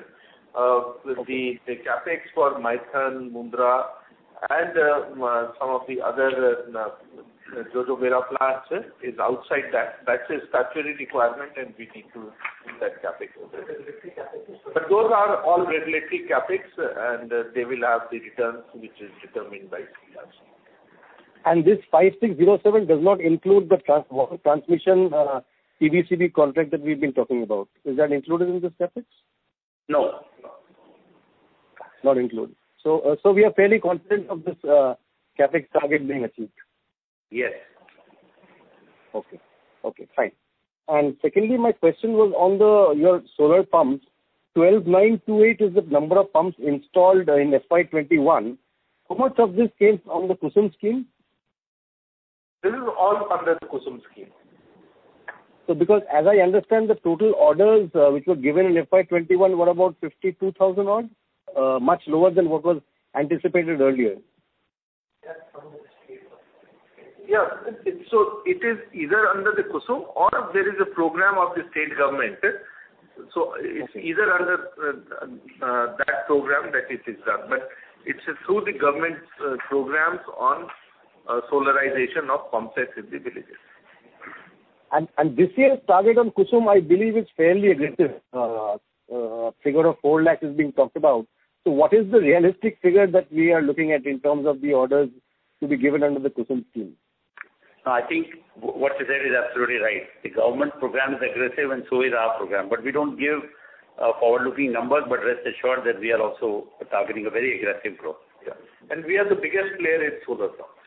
Speaker 1: The CapEx for Maithon, Mundra and some of the other Jojobera plants is outside that. That's a statutory requirement, and we need to do that CapEx over there.
Speaker 4: Regulated CapEx.
Speaker 1: Those are all regulated CapEx, and they will have the returns, which is determined by CERC.
Speaker 13: this 5,600 does not include the transmission TBCB contract that we've been talking about. Is that included in this CapEx?
Speaker 1: No.
Speaker 13: Not included. We are fairly confident of this CapEx target being achieved.
Speaker 1: Yes.
Speaker 13: Okay. Fine. Secondly, my question was on your solar pumps. 12,928 is the number of pumps installed in FY 2021. How much of this came from the KUSUM scheme?
Speaker 1: This is all under the KUSUM scheme.
Speaker 13: Because as I understand, the total orders which were given in FY 2021 were about 52,000 odd, much lower than what was anticipated earlier.
Speaker 4: That's from the state government.
Speaker 1: Yeah. It is either under the KUSUM or there is a program of the state government. It's either under that program that it is done, but it's through the government's programs on solarization of pump sets in the villages.
Speaker 13: This year's target on KUSUM, I believe is fairly aggressive. A figure of 4 lakh is being talked about. What is the realistic figure that we are looking at in terms of the orders to be given under the KUSUM scheme?
Speaker 4: I think what you said is absolutely right. The government program is aggressive and so is our program. We don't give forward-looking numbers, but rest assured that we are also targeting a very aggressive growth.
Speaker 1: Yeah. we are the biggest player in solar pumps.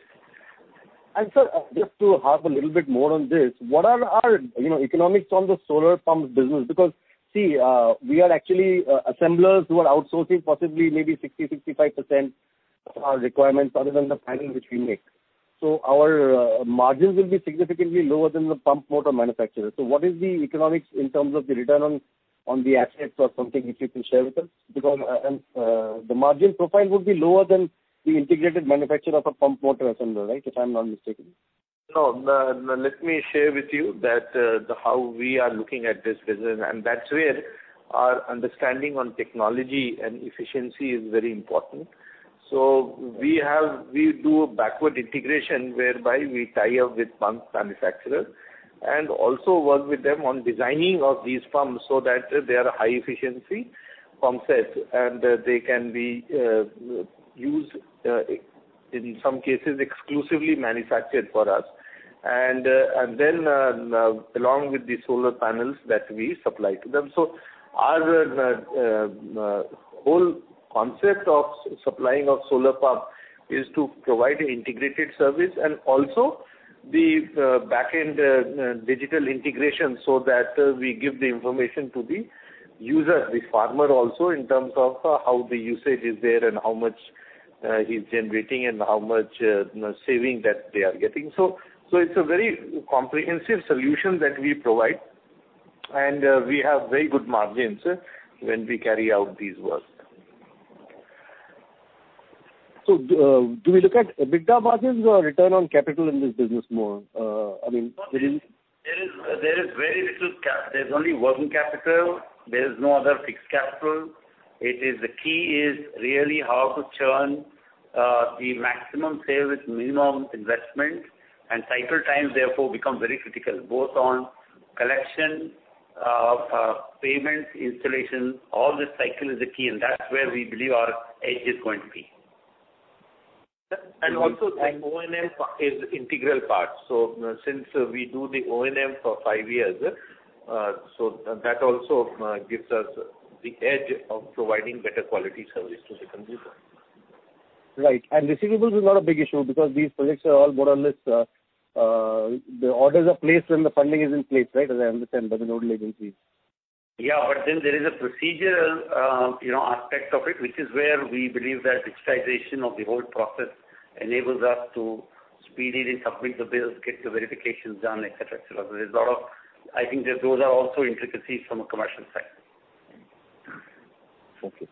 Speaker 13: Sir, just to harp a little bit more on this, what are our economics on the solar pumps business? Because see, we are actually assemblers who are outsourcing possibly maybe 60%-65% of our requirements other than the panel which we make. our margins will be significantly lower than the pump motor manufacturer. what is the economics in terms of the return on the assets or something which you can share with us? Because the margin profile would be lower than the integrated manufacturer of a pump motor assembler, right? If I'm not mistaken.
Speaker 1: No. Let me share with you how we are looking at this business, and that's where our understanding on technology and efficiency is very important. We do a backward integration whereby we tie up with pump manufacturers and also work with them on designing of these pumps so that they are high efficiency pump sets, and they can be used, in some cases, exclusively manufactured for us along with the solar panels that we supply to them. Our whole concept of supplying of solar pump is to provide an integrated service and also the back-end digital integration so that we give the information to the user, the farmer also, in terms of how the usage is there and how much he's generating and how much saving that they are getting. It's a very comprehensive solution that we provide, and we have very good margins when we carry out these works.
Speaker 13: Do we look at EBITDA margins or return on capital in this business more? I mean
Speaker 4: There is only working capital. There is no other fixed capital. The key is really how to churn the maximum sale with minimum investment, and cycle time therefore becomes very critical, both on collection, payments, installation, all this cycle is a key, and that's where we believe our edge is going to be.
Speaker 1: Also the O&M is integral part. Since we do the O&M for five years, so that also gives us the edge of providing better quality service to the consumer.
Speaker 13: Right. receivables is not a big issue because these projects are all more or less, the orders are placed when the funding is in place, right? As I understand, there's no delay in fees.
Speaker 4: Yeah. There is a procedural aspect of it, which is where we believe that digitization of the whole process enables us to speed it and submit the bills, get the verifications done, et cetera. I think that those are also intricacies from a commercial side.
Speaker 13: Okay.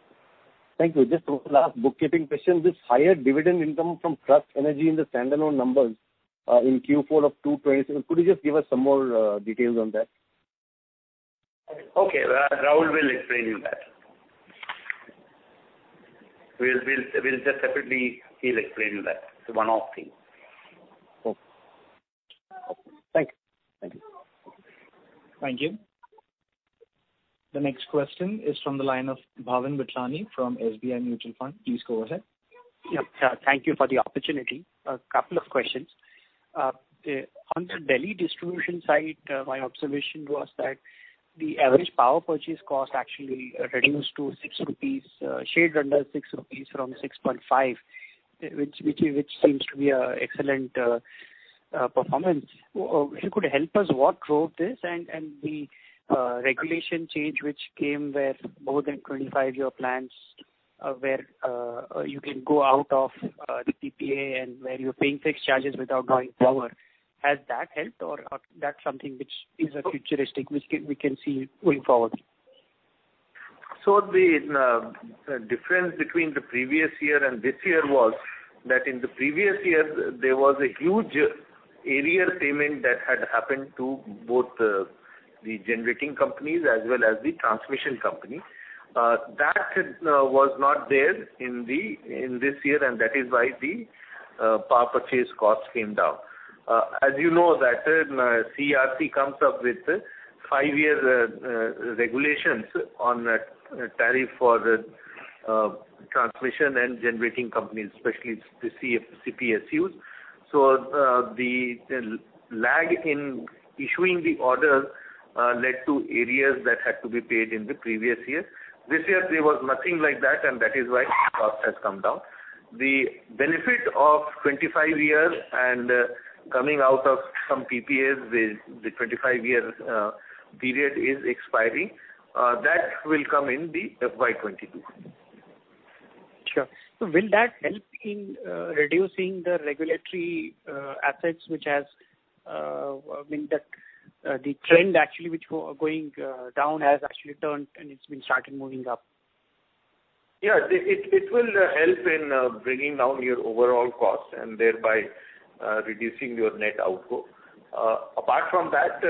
Speaker 13: Thank you. Just one last bookkeeping question. This higher dividend income from Trust Energy in the standalone numbers, in Q4 of 2020, could you just give us some more details on that?
Speaker 4: Okay. Rahul will explain you that. We'll just separately, he'll explain you that. It's a one-off thing.
Speaker 13: Okay. Thank you.
Speaker 2: Thank you. The next question is from the line of Bhavin Vithlani from SBI Mutual Fund. Please go ahead.
Speaker 14: Yeah. Thank you for the opportunity. A couple of questions. On the Delhi distribution side, my observation was that the average power purchase cost actually reduced to 6 rupees, shade under 6 rupees from 6.5, which seems to be an excellent performance. If you could help us, what drove this? The regulation change which came where more than 25-year plans, where you can go out of the PPA and where you're paying fixed charges without drawing power, has that helped? That's something which is futuristic, which we can see going forward?
Speaker 1: The difference between the previous year and this year was that in the previous year, there was a huge arrear payment that had happened to both the generating companies as well as the transmission company. That was not there in this year, and that is why the power purchase cost came down. As you know that CERC comes up with five-year regulations on tariff for transmission and generating companies, especially the CPSUs. The lag in issuing the order led to arrears that had to be paid in the previous year. This year there was nothing like that, and that is why the cost has come down. The benefit of 25 years and coming out of some PPAs with the 25 years period is expiring, that will come in the FY 2022.
Speaker 14: Sure. Will that help in reducing the regulatory assets, the trend actually which going down has actually turned and it's been starting moving up?
Speaker 1: Yeah. It will help in bringing down your overall cost and thereby reducing your net outflow. Apart from that,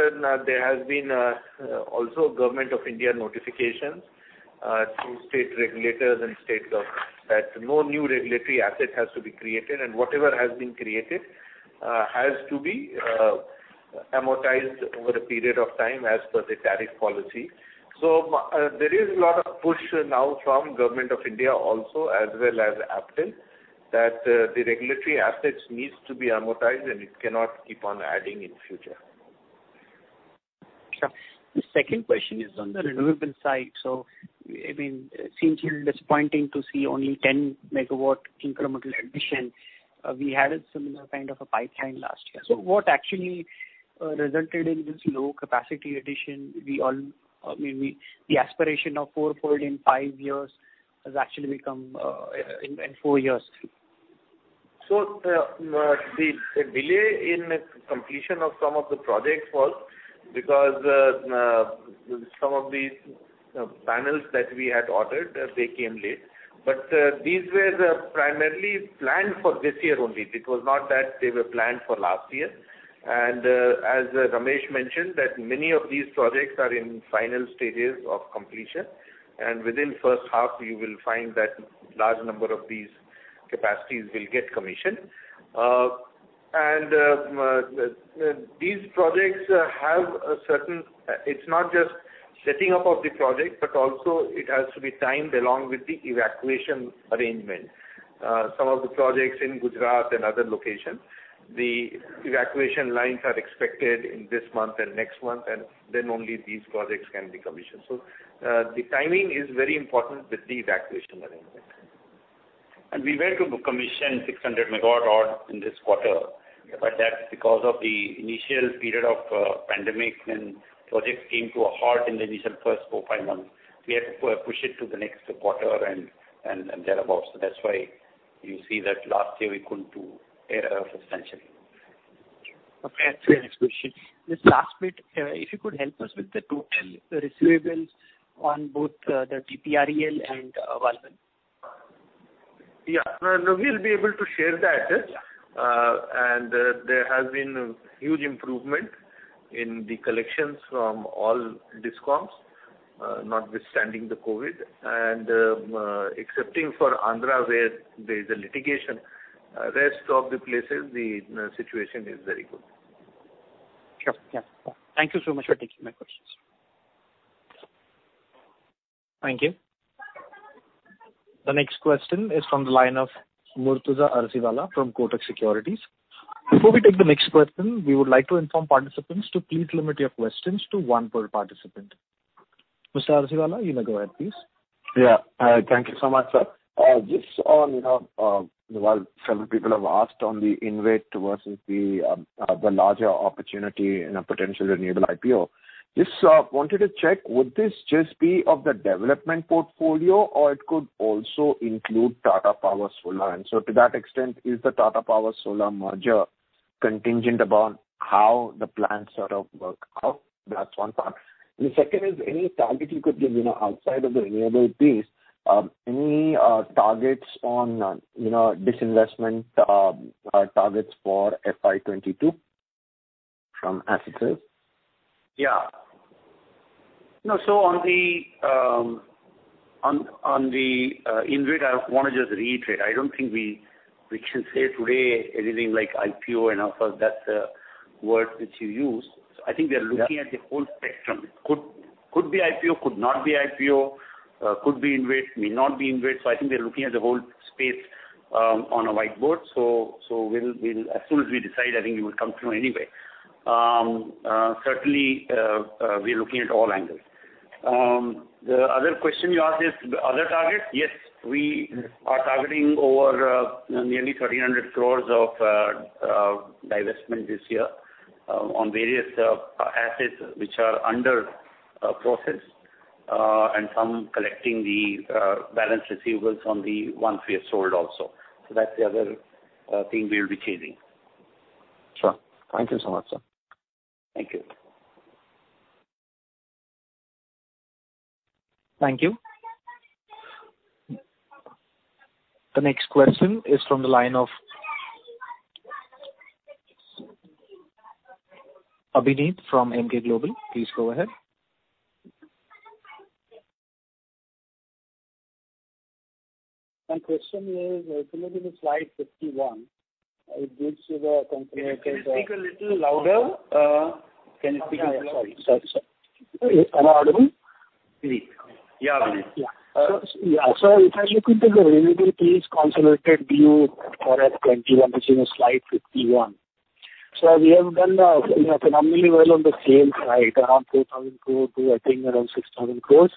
Speaker 1: there has been also Government of India notifications through state regulators and state governments that no new regulatory asset has to be created and whatever has been created has to be amortized over a period of time as per the tariff policy. There is a lot of push now from Government of India also, as well as APTEL, that the regulatory assets needs to be amortized and it cannot keep on adding in future.
Speaker 14: Sure. The second question is on the renewable side. Since you're disappointed to see only 10 MW incremental addition, we had a similar kind of a pipeline last year. What actually resulted in this low capacity addition? The aspiration of fourfold in five years has actually become in four years.
Speaker 1: The delay in completion of some of the projects was because some of these panels that we had ordered, they came late. These were primarily planned for this year only. It was not that they were planned for last year. As Ramesh mentioned that many of these projects are in final stages of completion, and within first half you will find that large number of these capacities will get commissioned. These projects have a certain. It's not just setting up of the project, but also it has to be timed along with the evacuation arrangement. Some of the projects in Gujarat and other locations, the evacuation lines are expected in this month and next month, and then only these projects can be commissioned. The timing is very important with the evacuation arrangement.
Speaker 4: We were to commission 600 MW odd in this quarter. that's because of the initial period of pandemic when projects came to a halt in the initial first four, five months. We had to push it to the next quarter and thereabout. that's why you see that last year we couldn't do a lot of essentially.
Speaker 14: Okay. That's my next question. This last bit, if you could help us with the total receivables on both the TPREL and Walwhan.
Speaker 1: Yeah. We'll be able to share that. There has been huge improvement in the collections from all DISCOMs notwithstanding the COVID. Excepting for Andhra where there's a litigation, rest of the places, the situation is very good.
Speaker 14: Sure. Yeah. Thank you so much for taking my questions.
Speaker 2: Thank you. The next question is from the line of Murtuza Arsiwalla from Kotak Securities. Before we take the next question, we would like to inform participants to please limit your questions to one per participant. Mr. Arsiwalla, you may go ahead, please.
Speaker 15: Yeah. Thank you so much, sir. Just on, while several people have asked on the InvIT versus the larger opportunity in a potential renewable IPO, just wanted to check, would this just be of the development portfolio or it could also include Tata Power Solar? To that extent, is the Tata Power Solar merger contingent upon how the plans sort of work out? That's one part. The second is any target you could give outside of the renewable piece, any targets on disinvestment targets for FY 2022 from assets sale?
Speaker 4: Yeah. On the InvIT, I want to just reiterate, I don't think we can say today anything like IPO and all of that word which you used. I think we are looking at the whole spectrum. Could be IPO, could not be IPO, could be InvIT, may not be InvIT. I think we are looking at the whole space on a whiteboard. As soon as we decide, I think it would come through anyway. Certainly, we're looking at all angles. The other question you asked is other targets. Yes, we are targeting over nearly 300 crore of divestment this year on various assets which are under process, and some collecting the balance receivables on the ones we have sold also. That's the other thing we will be chasing.
Speaker 15: Sure. Thank you so much, sir.
Speaker 4: Thank you.
Speaker 2: Thank you. The next question is from the line of Abhineet Anand from Emkay Global. Please go ahead.
Speaker 16: My question is, if you look into slide 51, it gives you the consolidated
Speaker 4: Can you speak a little louder?
Speaker 16: Sorry. Am I audible?
Speaker 4: Yes.
Speaker 16: If I look into the renewable piece, consolidated view for FY 2021, which is slide 51. We have done phenomenally well on the sales side, around 4,000 crores to, I think, around 6,000 crores.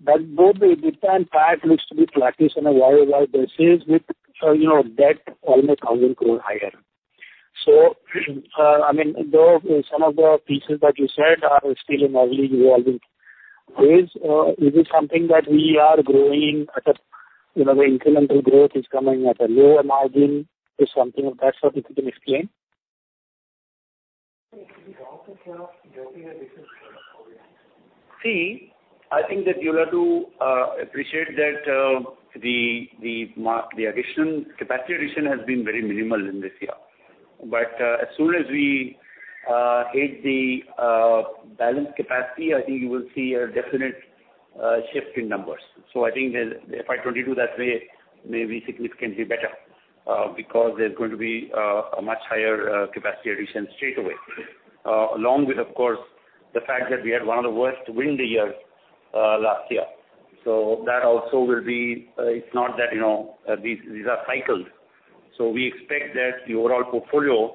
Speaker 16: Both the EBITDA and PAT looks to be flat-ish on a YOY basis with debt almost 1,000 crore higher. Some of the pieces that you said are still evolving. Is it something that we are growing at the incremental growth is coming at a lower margin? That's what if you can explain.
Speaker 4: See, I think that you'll have to appreciate that the additional capacity has been very minimal in this year. As soon as we hit the balance capacity, I think you will see a definite shift in numbers. I think the FY 2022 that way may be significantly better, because there's going to be a much higher capacity addition straightaway. Along with, of course, the fact that we had one of the worst wind years last year. These are cycles. We expect that the overall portfolio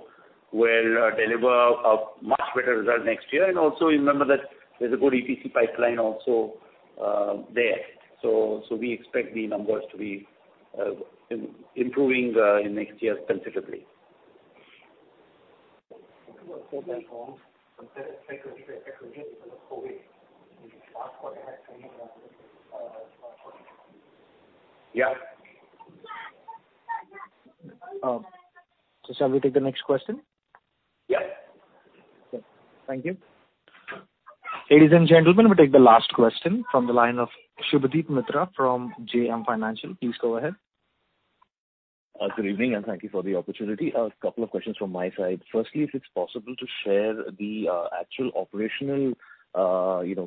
Speaker 4: will deliver a much better result next year. Also remember that there's a good EPC pipeline also there. We expect the numbers to be improving in next years considerably. Yeah.
Speaker 2: Shall we take the next question?
Speaker 4: Yeah.
Speaker 2: Okay. Thank you. Ladies and gentlemen, we'll take the last question from the line of Subhadip Mitra from JM Financial. Please go ahead.
Speaker 17: Good evening, and thank you for the opportunity. A couple of questions from my side. Firstly, if it's possible to share the actual operational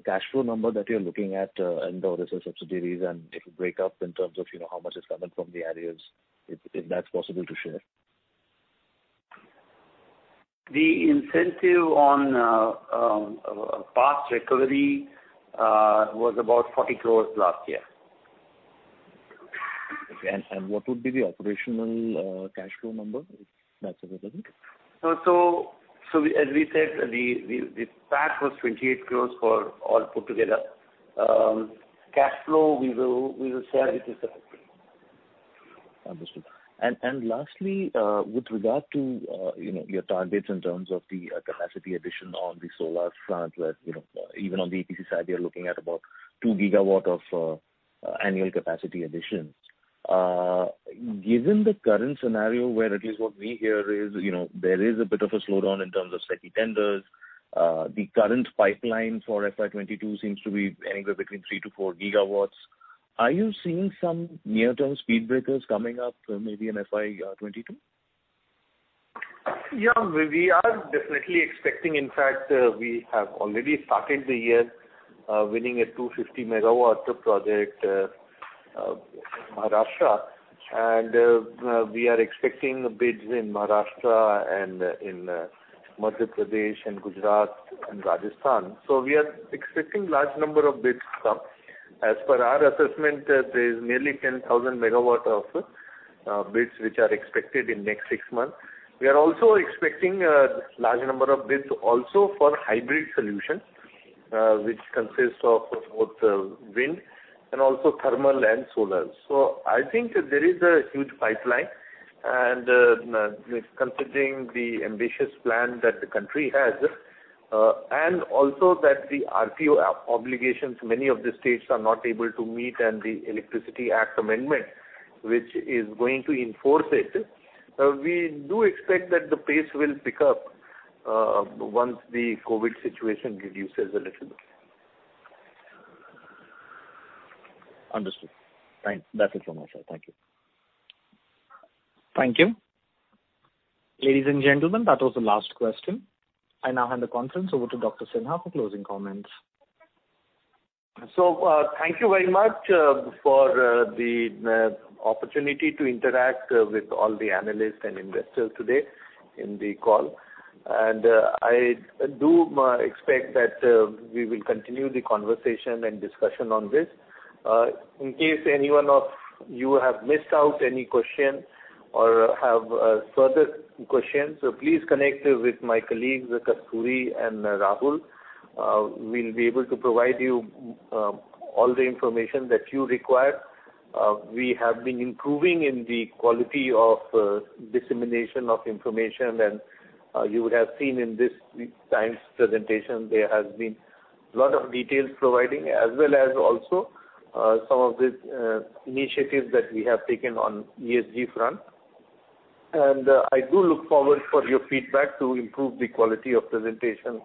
Speaker 17: cash flow number that you're looking at in the various subsidiaries, and if you break up in terms of how much is coming from the areas, if that's possible to share?
Speaker 4: The incentive on past recovery was about 40 crores last year.
Speaker 17: Okay. What would be the operational cash flow number, if that's available?
Speaker 4: As we said, the PAT was 28 crores for all put together. Cash flow, we will share with you separately.
Speaker 17: Understood. Lastly, with regard to your targets in terms of the capacity addition on the solar front, even on the EPC side, you're looking at about two gigawatt of annual capacity additions. Given the current scenario where, at least what we hear is, there is a bit of a slowdown in terms of SECI tenders. The current pipeline for FY 2022 seems to be anywhere between three to four GW. Are you seeing some near-term speed breakers coming up maybe in FY 2022?
Speaker 1: Yeah, we are definitely expecting. In fact, we have already started the year winning a 250 MW project in Maharashtra, and we are expecting bids in Maharashtra and in Madhya Pradesh and Gujarat and Rajasthan. We are expecting large number of bids to come. As per our assessment, there is nearly 10,000 MW of Bids which are expected in next six months. We are also expecting a large number of bids also for hybrid solutions, which consist of both wind and also thermal and solar. I think there is a huge pipeline, and considering the ambitious plan that the country has, and also that the RPO obligations, many of the states are not able to meet, and the Electricity Act amendment, which is going to enforce it. We do expect that the pace will pick up once the COVID situation reduces a little bit.
Speaker 17: Understood. Thanks. That's it from my side. Thank you.
Speaker 2: Thank you. Ladies and gentlemen, that was the last question. I now hand the conference over to Dr. Sinha for closing comments.
Speaker 1: Thank you very much for the opportunity to interact with all the analysts and investors today in the call. I do expect that we will continue the conversation and discussion on this. In case any one of you have missed out any question or have further questions, please connect with my colleagues, Kasturi and Rahul, who will be able to provide you all the information that you require. We have been improving in the quality of dissemination of information, and you would have seen in this time's presentation there has been a lot of details providing as well as also some of the initiatives that we have taken on ESG front. I do look forward for your feedback to improve the quality of presentation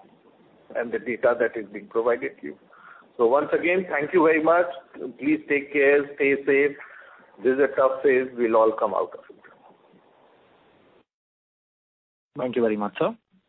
Speaker 1: and the data that is being provided to you. Once again, thank you very much. Please take care. Stay safe. This is a tough phase. We'll all come out of it.
Speaker 2: Thank you very much, sir.